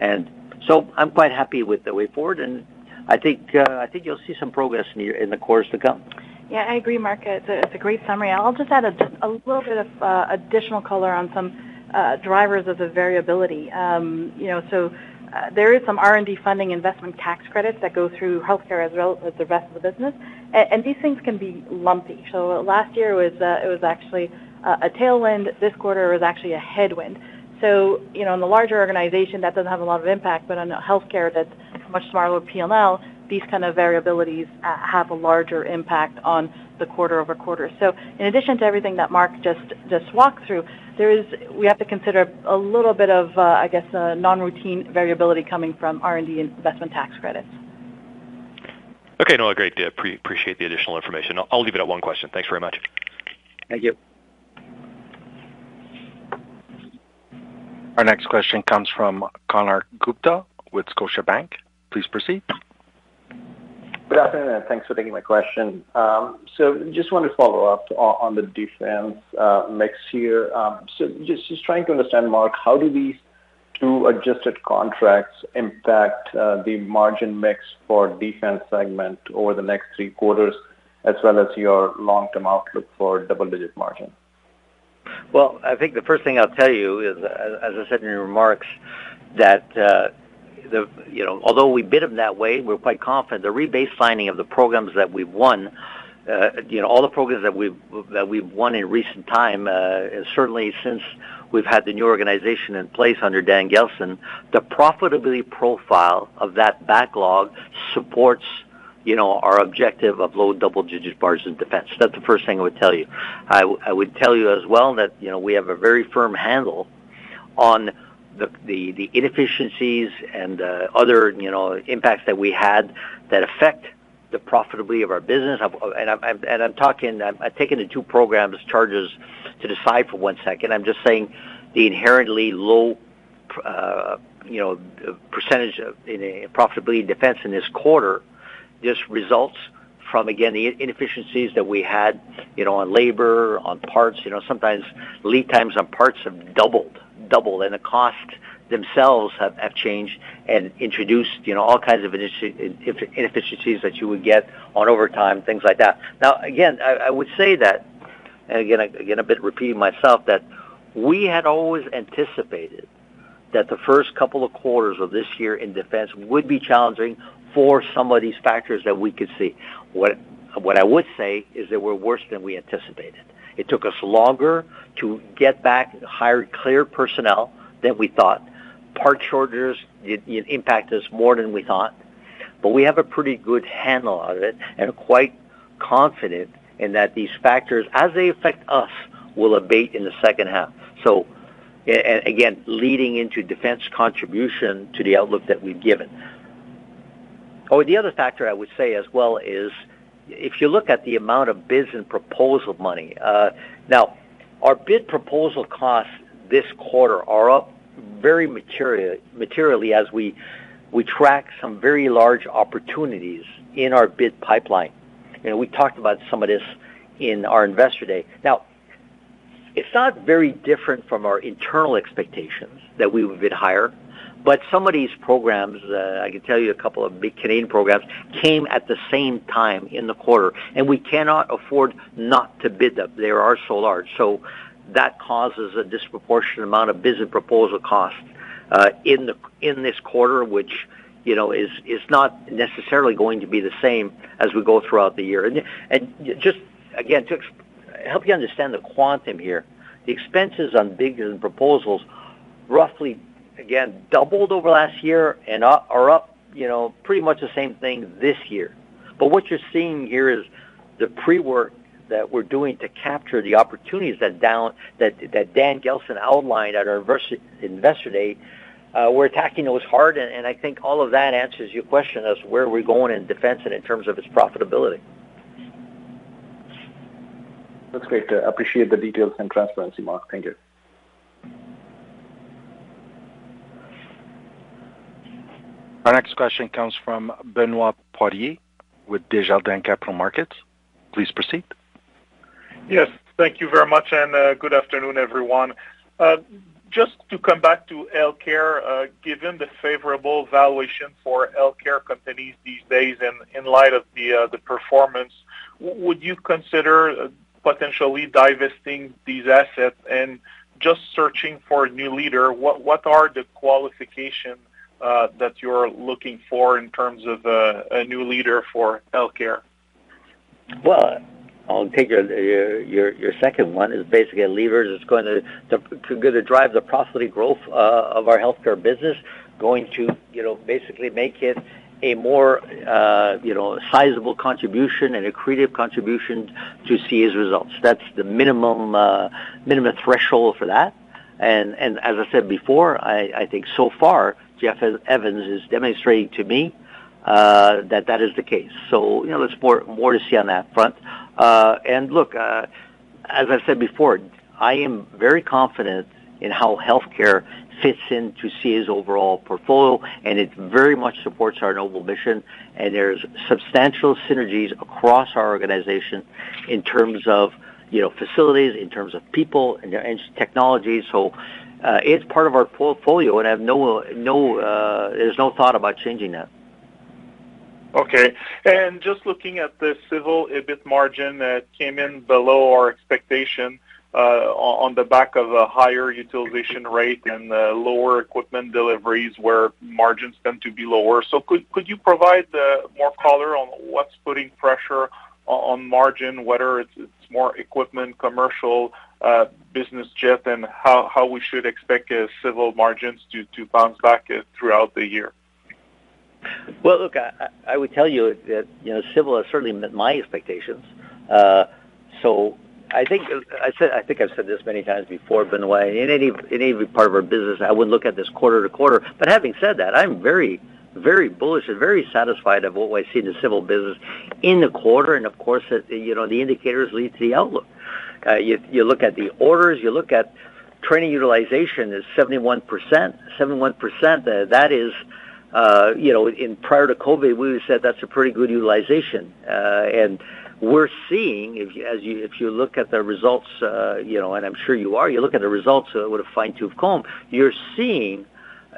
I'm quite happy with the way forward, and I think you'll see some progress in the quarters to come. Yeah, I agree, Marc. It's a great summary. I'll just add a little bit of additional color on some drivers of the variability. You know, there is some R&D funding investment tax credits that go through Healthcare as well as the rest of the business. And these things can be lumpy. Last year was actually a tailwind. This quarter was actually a headwind. You know, in the larger organization, that doesn't have a lot of impact, but on Healthcare that's a much smaller P&L, these kind of variabilities have a larger impact on the QoQ. In addition to everything that Marc just walked through, there is. We have to consider a little bit of, I guess, a non-routine variability coming from R&D investment tax credits. Okay. No, great. Appreciate the additional information. I'll leave it at one question. Thanks very much. Thank you. Our next question comes from Konark Gupta with Scotiabank. Please proceed. Good afternoon, and thanks for taking my question. Just wanted to follow up on the Defense mix here. Just trying to understand, Marc, how do these two adjusted contracts impact the margin mix for Defense segment over the next three quarters as well as your long-term outlook for double-digit margin? Well, I think the first thing I'll tell you is, as I said in your remarks, that, you know, although we bid them that way, we're quite confident the rebaselining of the programs that we've won, you know, all the programs that we've won in recent times, certainly since we've had the new organization in place under Daniel Gelston, the profitability profile of that backlog supports, you know, our objective of low double-digit margins in Defense. That's the first thing I would tell you. I would tell you as well that, you know, we have a very firm handle on the inefficiencies and other, you know, impacts that we had that affect the profitability of our business. I'm talking. I'm taking the two program charges aside for one second. I'm just saying the inherently low, you know, percentage of profitability in Defense in this quarter just results from, again, the inefficiencies that we had, you know, on labor, on parts. You know, sometimes lead times on parts have doubled. Doubled. The cost themselves have changed and introduced, you know, all kinds of inefficiencies that you would get on overtime, things like that. Now, again, I would say that, and again, I get a bit repeating myself, that we had always anticipated that the first couple of quarters of this year in Defense would be challenging for some of these factors that we could see. What I would say is that we're worse than we anticipated. It took us longer to get back and hire clear personnel than we thought. Part shortages impact us more than we thought. We have a pretty good handle on it and quite confident in that these factors, as they affect us, will abate in the second half. And again, leading into Defense contribution to the outlook that we've given. The other factor I would say as well is if you look at the amount of business proposal money. Now our bid proposal costs this quarter are up very materially as we track some very large opportunities in our bid pipeline. And we talked about some of this in our Investor Day. Now, it's not very different from our internal expectations that we would bid higher. Some of these programs, I can tell you a couple of big Canadian programs, came at the same time in the quarter, and we cannot afford not to bid them. They are so large. That causes a disproportionate amount of business proposal costs in this quarter, which, you know, is not necessarily going to be the same as we go throughout the year. Just again, to help you understand the quantum here, the expenses on bigger proposals roughly, again, doubled over last year and are up, you know, pretty much the same thing this year. What you're seeing here is the pre-work that we're doing to capture the opportunities that Dan Gelston outlined at our Investor Day. We're attacking those hard, and I think all of that answers your question as where are we going in Defense and in terms of its profitability. That's great. I appreciate the details and transparency, Marc. Thank you. Our next question comes from Benoit Poirier with Desjardins Capital Markets. Please proceed. Yes. Thank you very much, and, good afternoon, everyone. Just to come back to Healthcare, given the favorable valuation for healthcare companies these days and in light of the performance, would you consider potentially divesting these assets and just searching for a new leader? What are the qualifications that you're looking for in terms of a new leader for Healthcare? Well, I'll take your second one is basically a leader that's going to drive the profitability growth of our Healthcare business, going to basically make it a more sizable contribution and accretive contribution to CAE's results. That's the minimum threshold for that. As I said before, I think so far, Jeff Evans is demonstrating to me that that is the case. You know, there's more to see on that front. Look, as I said before, I am very confident in how Healthcare fits into CAE's overall portfolio, and it very much supports our noble mission. There's substantial synergies across our organization in terms of, you know, facilities, in terms of people and technologies. It's part of our portfolio, and there's no thought about changing that. Okay. Just looking at the Civil EBIT margin that came in below our expectation, on the back of a higher utilization rate and lower equipment deliveries where margins tend to be lower. Could you provide more color on what's putting pressure on margin, whether it's more equipment, commercial business shift, and how we should expect Civil margins to bounce back throughout the year? Well, look, I would tell you that, you know, Civil has certainly met my expectations. I think I've said this many times before, Benoit, in any part of our business, I wouldn't look at this quarter-to-quarter. But having said that, I'm very bullish and very satisfied of what I see in the Civil business in the quarter. Of course, you know, the indicators lead to the outlook. You look at the orders, you look at training utilization is 71%. That is, you know, prior to COVID, we would have said that's a pretty good utilization. We're seeing, as you look at the results, you know, and I'm sure you are, you look at the results with a fine-tooth comb, you're seeing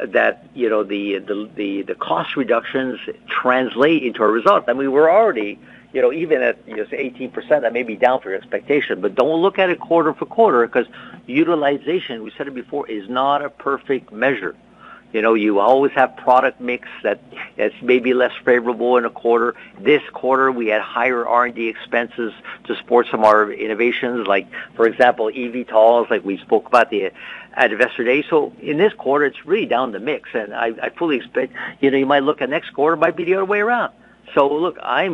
that, you know, the cost reductions translate into a result. I mean, we're already, you know, even at this 18%, that may be down to your expectation, but don't look at it quarter for quarter because utilization, we said it before, is not a perfect measure. You know, you always have product mix that's maybe less favorable in a quarter. This quarter, we had higher R&D expenses to support some of our innovations, like for example, eVTOLs, like we spoke about that yesterday. So in this quarter, it's really the mix, and I fully expect, you know, you might look at next quarter, it might be the other way around. Look, I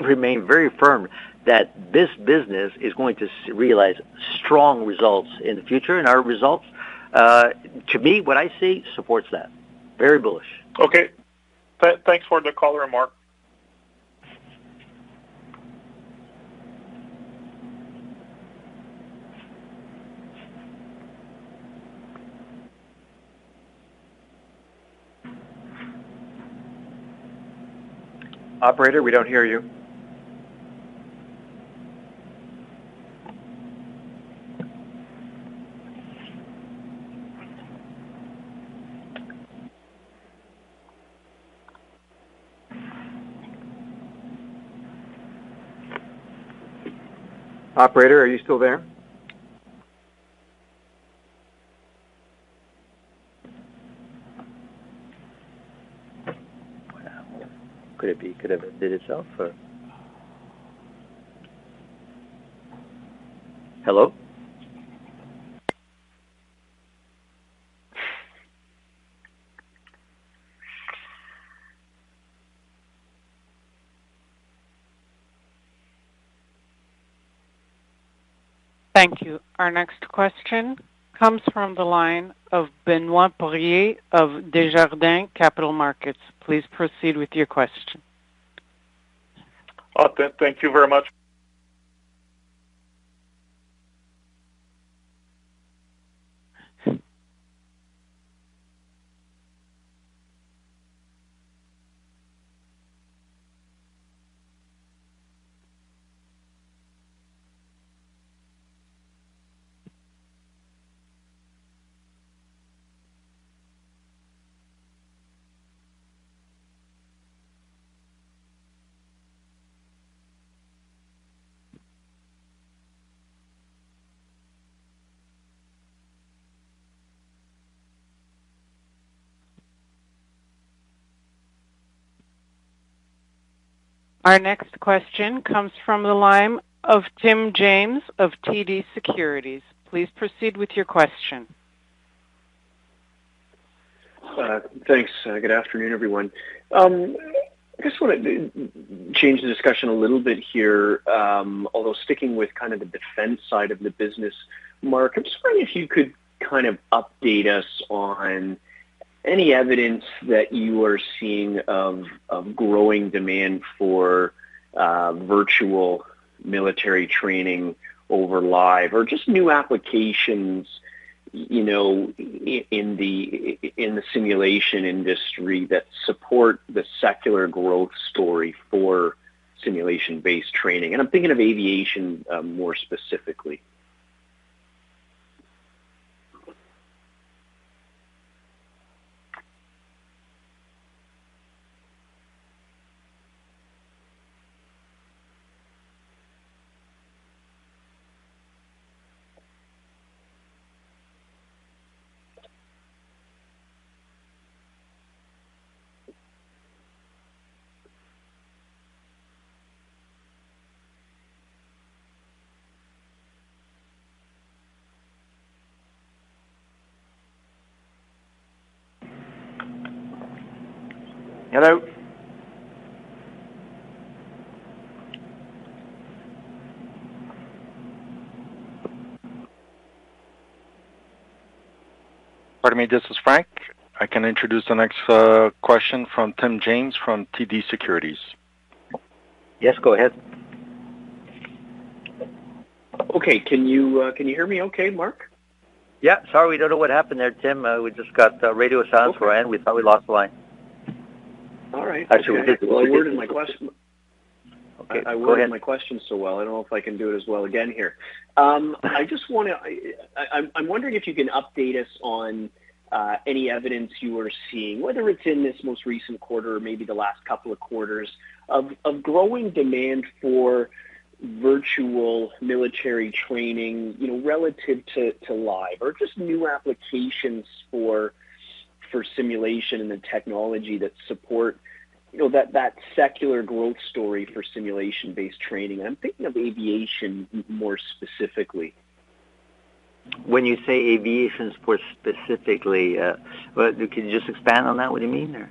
remain very firm that this business is going to realize strong results in the future, and our results, to me, what I see supports that. Very bullish. Okay. Thanks for the color, Marc. Operator, we don't hear you. Operator, are you still there? Hello? Thank you. Our next question comes from the line of Benoit Poirier of Desjardins Capital Markets. Please proceed with your question. Okay. Thank you very much. Our next question comes from the line of Tim James of TD Securities. Please proceed with your question. Thanks. Good afternoon, everyone. I just wanna change the discussion a little bit here, although sticking with kind of the Defense side of the business. Marc, I'm just wondering if you could kind of update us on any evidence that you are seeing of growing demand for virtual military training over live or just new applications, you know, in the simulation industry that support the secular growth story for simulation-based training. I'm thinking of aviation, more specifically. Hello? Pardon me. This is Frank. I can introduce the next question from Tim James from TD Securities. Yes, go ahead. Okay. Can you hear me okay, Marc? Yeah. Sorry, we don't know what happened there, Tim. We just got radio silence for a while, and we thought we lost the line. All right. Actually, we did. I worded my question. Okay, go ahead. I worded my question so well. I don't know if I can do it as well again here. I'm wondering if you can update us on any evidence you are seeing, whether it's in this most recent quarter or maybe the last couple of quarters, of growing demand for virtual military training, you know, relative to live, or just new applications for simulation and the technology that support, you know, that secular growth story for simulation-based training. I'm thinking of aviation more specifically. When you say aviation specifically, well, can you just expand on that? What do you mean there?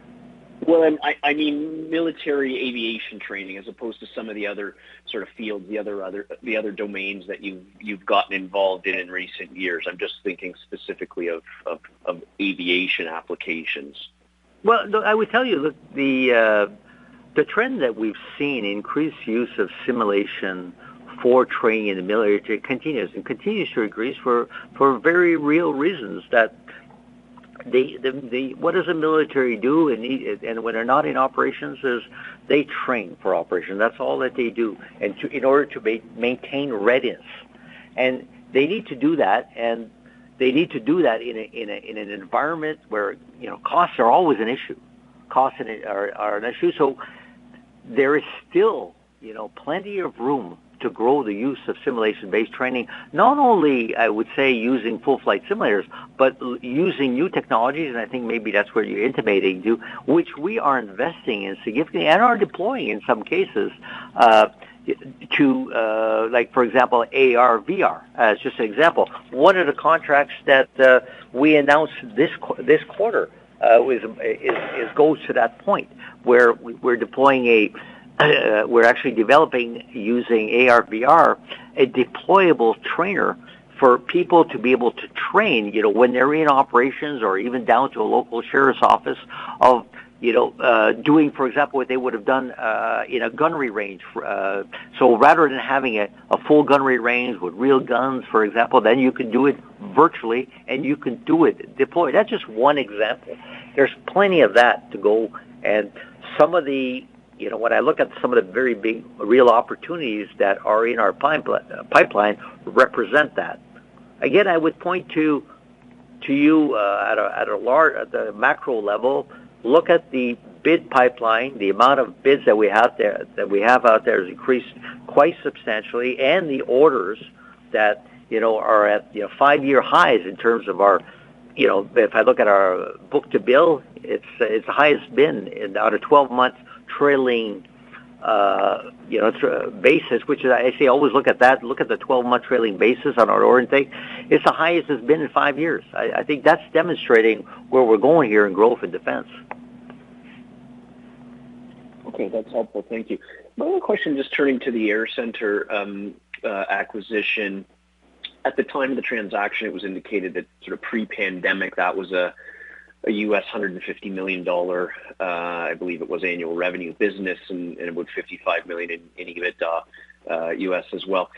Well, I mean, military aviation training as opposed to some of the other sort of fields, other domains that you've gotten involved in in recent years. I'm just thinking specifically of aviation applications. Well, I would tell you, look, the trend that we've seen, increased use of simulation for training in the military continues, and continues to increase for very real reasons. What does the military do and when they're not in operations is they train for operation? That's all that they do in order to maintain readiness. They need to do that in an environment where, you know, costs are always an issue. Costs are an issue. There is still, you know, plenty of room to grow the use of simulation-based training, not only I would say using full flight simulators, but using new technologies, and I think maybe that's where you're intimating to, which we are investing in significantly and are deploying in some cases, to, like, for example, AR/VR, as just an example. One of the contracts that we announced this quarter is goes to that point where we're actually developing using AR/VR, a deployable trainer for people to be able to train, you know, when they're in operations or even down to a local sheriff's office of, you know, doing, for example, what they would have done in a gunnery range. Rather than having a full gunnery range with real guns, for example, you can do it virtually, and you can do it deployed. That's just one example. There's plenty of that to go, and some of the. You know, when I look at some of the very big real opportunities that are in our pipeline, represent that. Again, I would point to you at the macro level, look at the bid pipeline. The amount of bids that we have out there has increased quite substantially, and the orders that, you know, are at, you know, five-year highs in terms of our, you know, if I look at our book-to-bill, it's the highest bid out of 12-month trailing, you know, trailing basis, which is, I say, always look at that, look at the 12-month trailing basis on our order intake. It's the highest it's been in five years. I think that's demonstrating where we're going here in growth and Defense. Okay. That's helpful. Thank you. My only question, just turning to the AirCentre acquisition. At the time of the transaction, it was indicated that sort of pre-pandemic, that was a $150 million, I believe it was annual revenue business and about $55 million in EBITDA, US as well.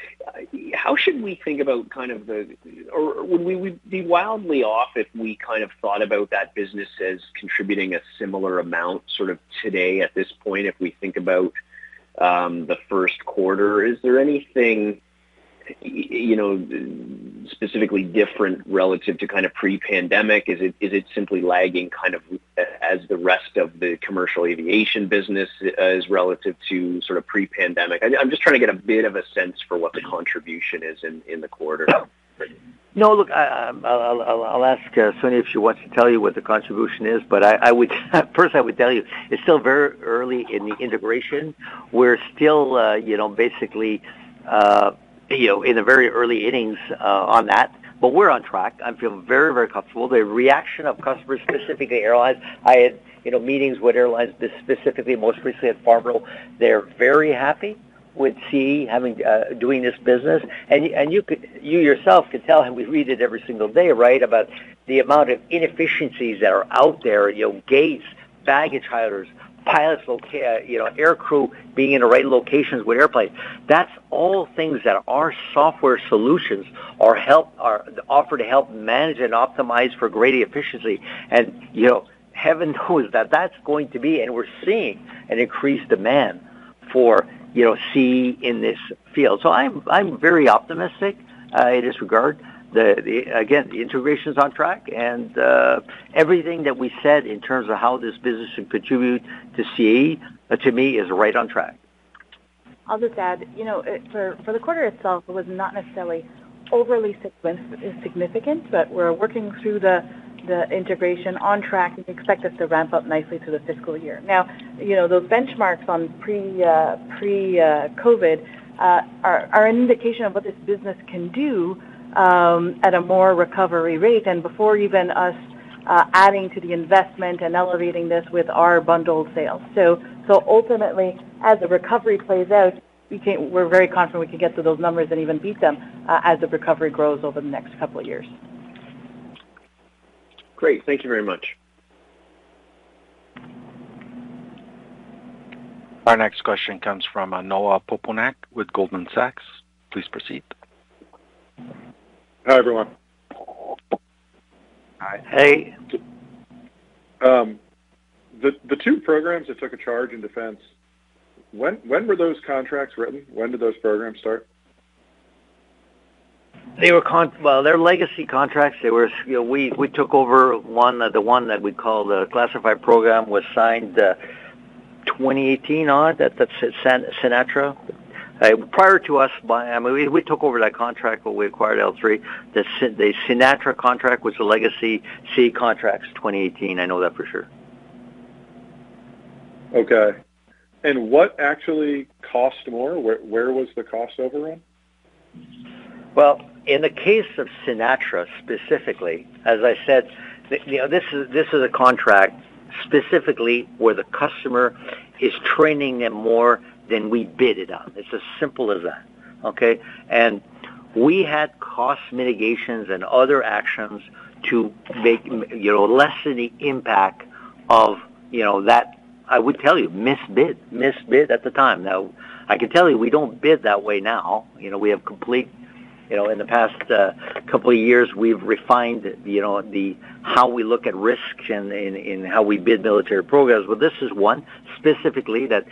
How should we think about kind of the or would we be wildly off if we kind of thought about that business as contributing a similar amount sort of today at this point, if we think about the first quarter? Is there anything, you know, specifically different relative to kind of pre-pandemic? Is it simply lagging kind of as the rest of the commercial aviation business as relative to sort of pre-pandemic? I'm just trying to get a bit of a sense for what the contribution is in the quarter. No, look, I'll ask Sonya if she wants to tell you what the contribution is. I would personally tell you it's still very early in the integration. We're still, you know, basically, you know, in the very early innings, on that, but we're on track. I feel very, very comfortable. The reaction of customers, specifically airlines. I had, you know, meetings with airlines, specifically, most recently at Farnborough. They're very happy with CAE doing this business. You yourself could tell, and we read it every single day, right, about the amount of inefficiencies that are out there, you know, gates, baggage handlers, pilots, you know, air crew being in the right locations with airplanes. That's all things that our software solutions are offered to help manage and optimize for greater efficiency. You know, heaven knows that that's going to be, and we're seeing an increased demand for, you know, CAE in this field. I'm very optimistic in this regard. Again, the integration is on track, and everything that we said in terms of how this business should contribute to CAE, to me, is right on track. I'll just add, you know, for the quarter itself, it was not necessarily overly significant, but we're working through the integration on track and expect us to ramp up nicely through the fiscal year. Now, you know, those benchmarks on pre-COVID are an indication of what this business can do at a more recovery rate and before even us adding to the investment and elevating this with our bundled sales. Ultimately, as the recovery plays out, we're very confident we can get to those numbers and even beat them as the recovery grows over the next couple of years. Great. Thank you very much. Our next question comes from Noah Poponak with Goldman Sachs. Please proceed. Hi, everyone. Hi. Hey. The two programs that took a charge in Defense, when were those contracts written? When did those programs start? Well, they're legacy contracts. We took over one, the one that we call the classified program was signed 2018 or so. That's CNATRA. I mean, we took over that contract when we acquired L3Harris. The CNATRA contract was a legacy CAE contracts 2018. I know that for sure. Okay. What actually cost more? Where was the cost overrun? Well, in the case of CNATRA, specifically, as I said, you know, this is a contract specifically where the customer is training it more than we bid it on. It's as simple as that, okay? We had cost mitigations and other actions to make, you know, lessen the impact of, you know, that, I would tell you, misbid at the time. Now, I can tell you we don't bid that way now. You know, we have. You know, in the past couple of years, we've refined, you know, how we look at risks and how we bid military programs. This is one specifically that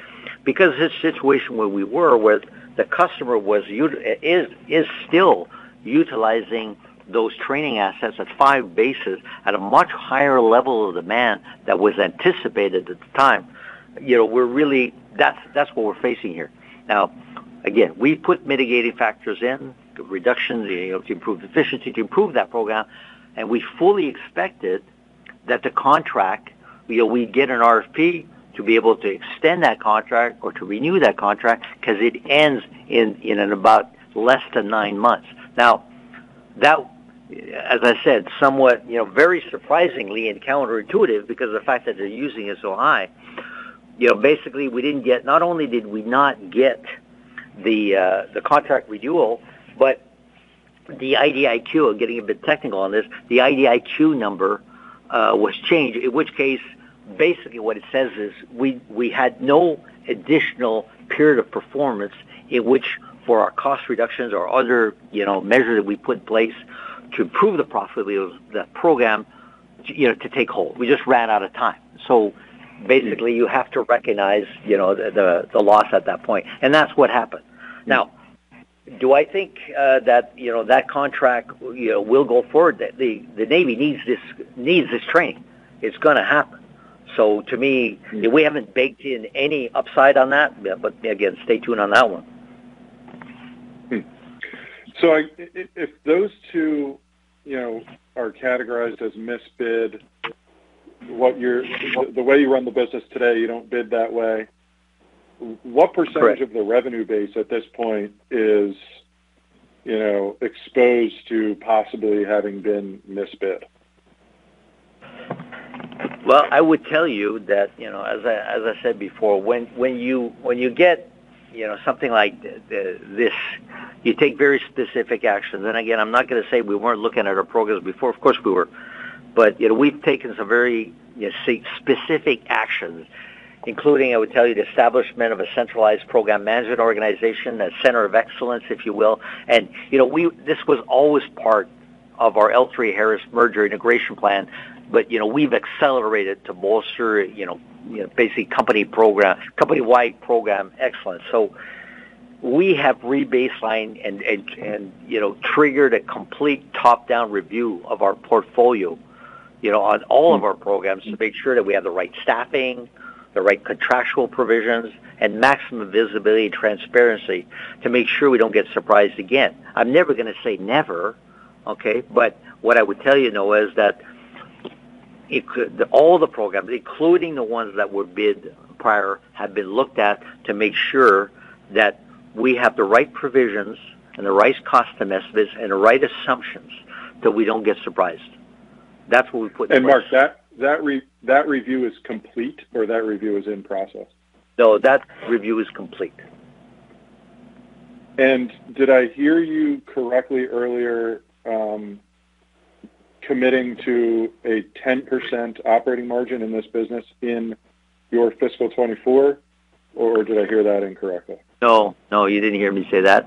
because this situation where we were, where the customer is still utilizing those training assets at five bases at a much higher level of demand that was anticipated at the time. You know, that's what we're facing here. Now, again, we put mitigating factors in, reduction, the ability to improve efficiency to improve that program. We fully expected that the contract, we get an RFP to be able to extend that contract or to renew that contract because it ends in about less than nine months. Now, that, as I said, somewhat very surprisingly and counter-intuitive because of the fact that they're using it so high. Basically, not only did we not get the contract renewal, but the IDIQ, I'm getting a bit technical on this, the IDIQ number, was changed. In which case, basically what it says is we had no additional period of performance in which for our cost reductions or other, you know, measures that we put in place to improve the profitability of that program, you know, to take hold. We just ran out of time. Basically, you have to recognize, you know, the loss at that point, and that's what happened. Now, do I think that you know that contract you know will go forward? The Navy needs this training. It's going to happen. To me, we haven't baked in any upside on that, but again, stay tuned on that one. If those two, you know, are categorized as misbid, the way you run the business today, you don't bid that way. Correct. What percentage of the revenue base at this point is, you know, exposed to possibly having been misbid? Well, I would tell you that, you know, as I said before, when you get, you know, something like this, you take very specific actions. Again, I'm not going to say we weren't looking at our programs before. Of course, we were. You know, we've taken some very, you know, specific actions, including, I would tell you, the establishment of a centralized program management organization, a center of excellence, if you will. You know, this was always part of our L3Harris merger integration plan, but, you know, we've accelerated to bolster, you know, basic company program, company-wide program excellence. We have rebaselined and you know triggered a complete top-down review of our portfolio, you know, on all of our programs to make sure that we have the right staffing, the right contractual provisions, and maximum visibility and transparency to make sure we don't get surprised again. I'm never going to say never, okay? But what I would tell you, though, is that all the programs, including the ones that were bid prior, have been looked at to make sure that we have the right provisions and the right cost estimates and the right assumptions that we don't get surprised. That's what we put in place. Marc, that review is complete or that review is in process? No, that review is complete. Did I hear you correctly earlier, committing to a 10% operating margin in this business in your fiscal 2024, or did I hear that incorrectly? No, no, you didn't hear me say that.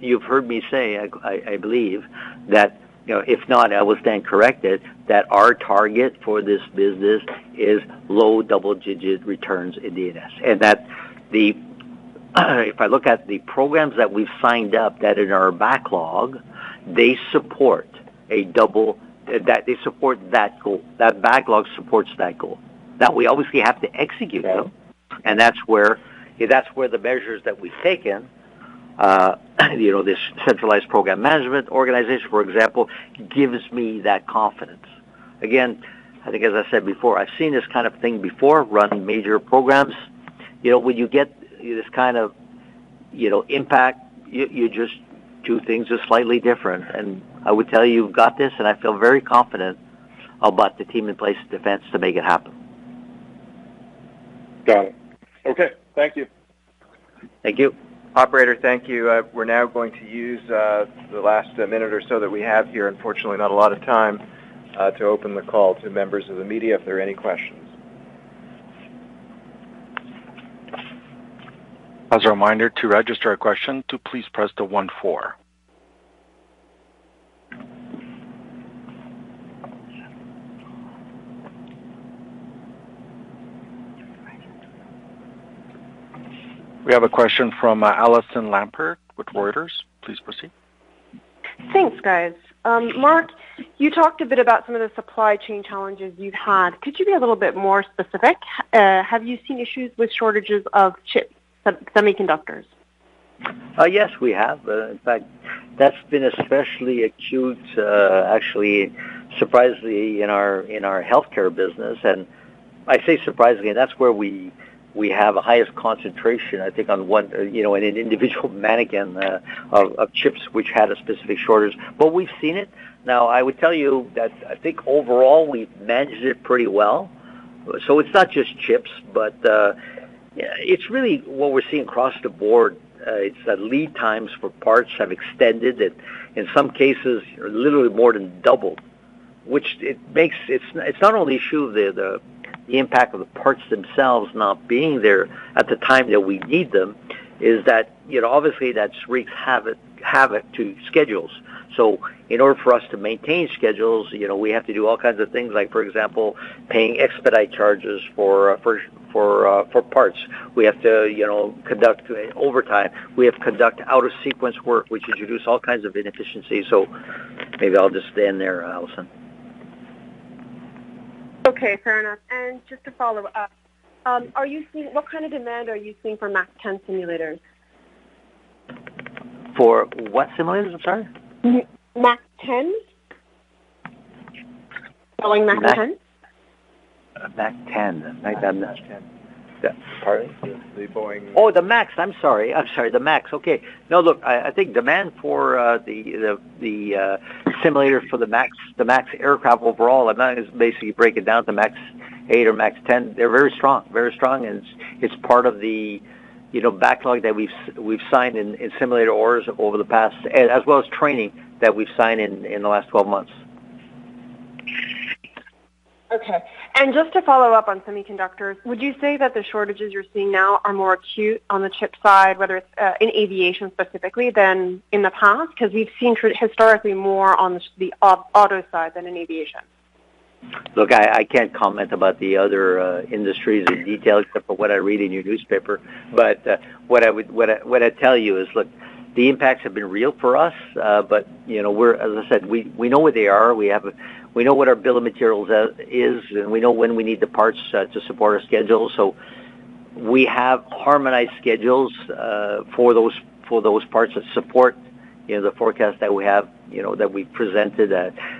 You've heard me say, I believe that, you know, if not, I will stand corrected, that our target for this business is low double-digit returns in D&S. If I look at the programs that we've signed up that in our backlog, they support that goal, that backlog supports that goal. Now, we obviously have to execute them. Yeah. That's where the measures that we've taken, you know, this centralized program management organization, for example, gives me that confidence. Again, I think as I said before, I've seen this kind of thing before, running major programs. You know, when you get this kind of, you know, impact, you just do things just slightly different. I would tell you, we've got this, and I feel very confident about the team in place at Defense to make it happen. Got it. Okay. Thank you. Thank you. Operator, thank you. We're now going to use the last minute or so that we have here, unfortunately, not a lot of time, to open the call to members of the media, if there are any questions. As a reminder to register a question, please press the one four. We have a question from Allison Lampert with Reuters. Please proceed. Thanks, guys. Marc, you talked a bit about some of the supply chain challenges you've had. Could you be a little bit more specific? Have you seen issues with shortages of semiconductors? Yes, we have. In fact, that's been especially acute, actually, surprisingly, in our Healthcare business. I say surprisingly, and that's where we have the highest concentration, I think, on one, you know, in an individual mannequin, of chips which had a specific shortage. But we've seen it. Now, I would tell you that I think overall, we've managed it pretty well. It's not just chips, but it's really what we're seeing across the board. It's that lead times for parts have extended, in some cases, literally more than doubled, which makes it not only the issue of the impact of the parts themselves not being there at the time that we need them, but that, you know, obviously, that wreaks havoc to schedules. In order for us to maintain schedules, you know, we have to do all kinds of things like, for example, paying expedite charges for parts. We have to, you know, conduct overtime. We have to conduct out-of-sequence work, which introduce all kinds of inefficiencies. Maybe I'll just stay in there, Allison. Okay, fair enough. Just to follow up, what kind of demand are you seeing for MAX 10 simulators? For what simulators? I'm sorry. MAX 10. Boeing MAX 10. MAX 10. Pardon. Oh, the MAX. I'm sorry, the MAX. Okay. No, look, I think demand for the simulator for the MAX aircraft overall. I'm not gonna basically break it down to MAX 8 or MAX 10. They're very strong, and it's part of the, you know, backlog that we've signed in simulator orders over the past, as well as training that we've signed in the last 12 months. Okay. Just to follow up on semiconductors, would you say that the shortages you're seeing now are more acute on the chip side, whether it's in aviation specifically than in the past? Because we've seen historically more on the auto side than in aviation. Look, I can't comment about the other industries in detail except for what I read in your newspaper. What I'd tell you is, look, the impacts have been real for us. You know, as I said, we know where they are. We know what our bill of materials is, and we know when we need the parts to support our schedule. We have harmonized schedules for those parts that support, you know, the forecast that we have, you know, that we presented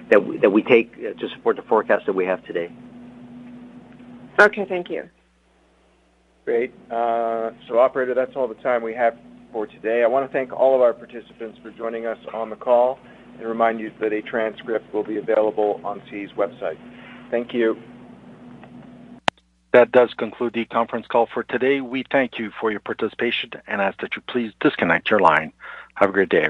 that we take to support the forecast that we have today. Okay, thank you. Great. Operator, that's all the time we have for today. I wanna thank all of our participants for joining us on the call and remind you that a transcript will be available on CAE's website. Thank you. That does conclude the conference call for today. We thank you for your participation and ask that you please disconnect your line. Have a great day.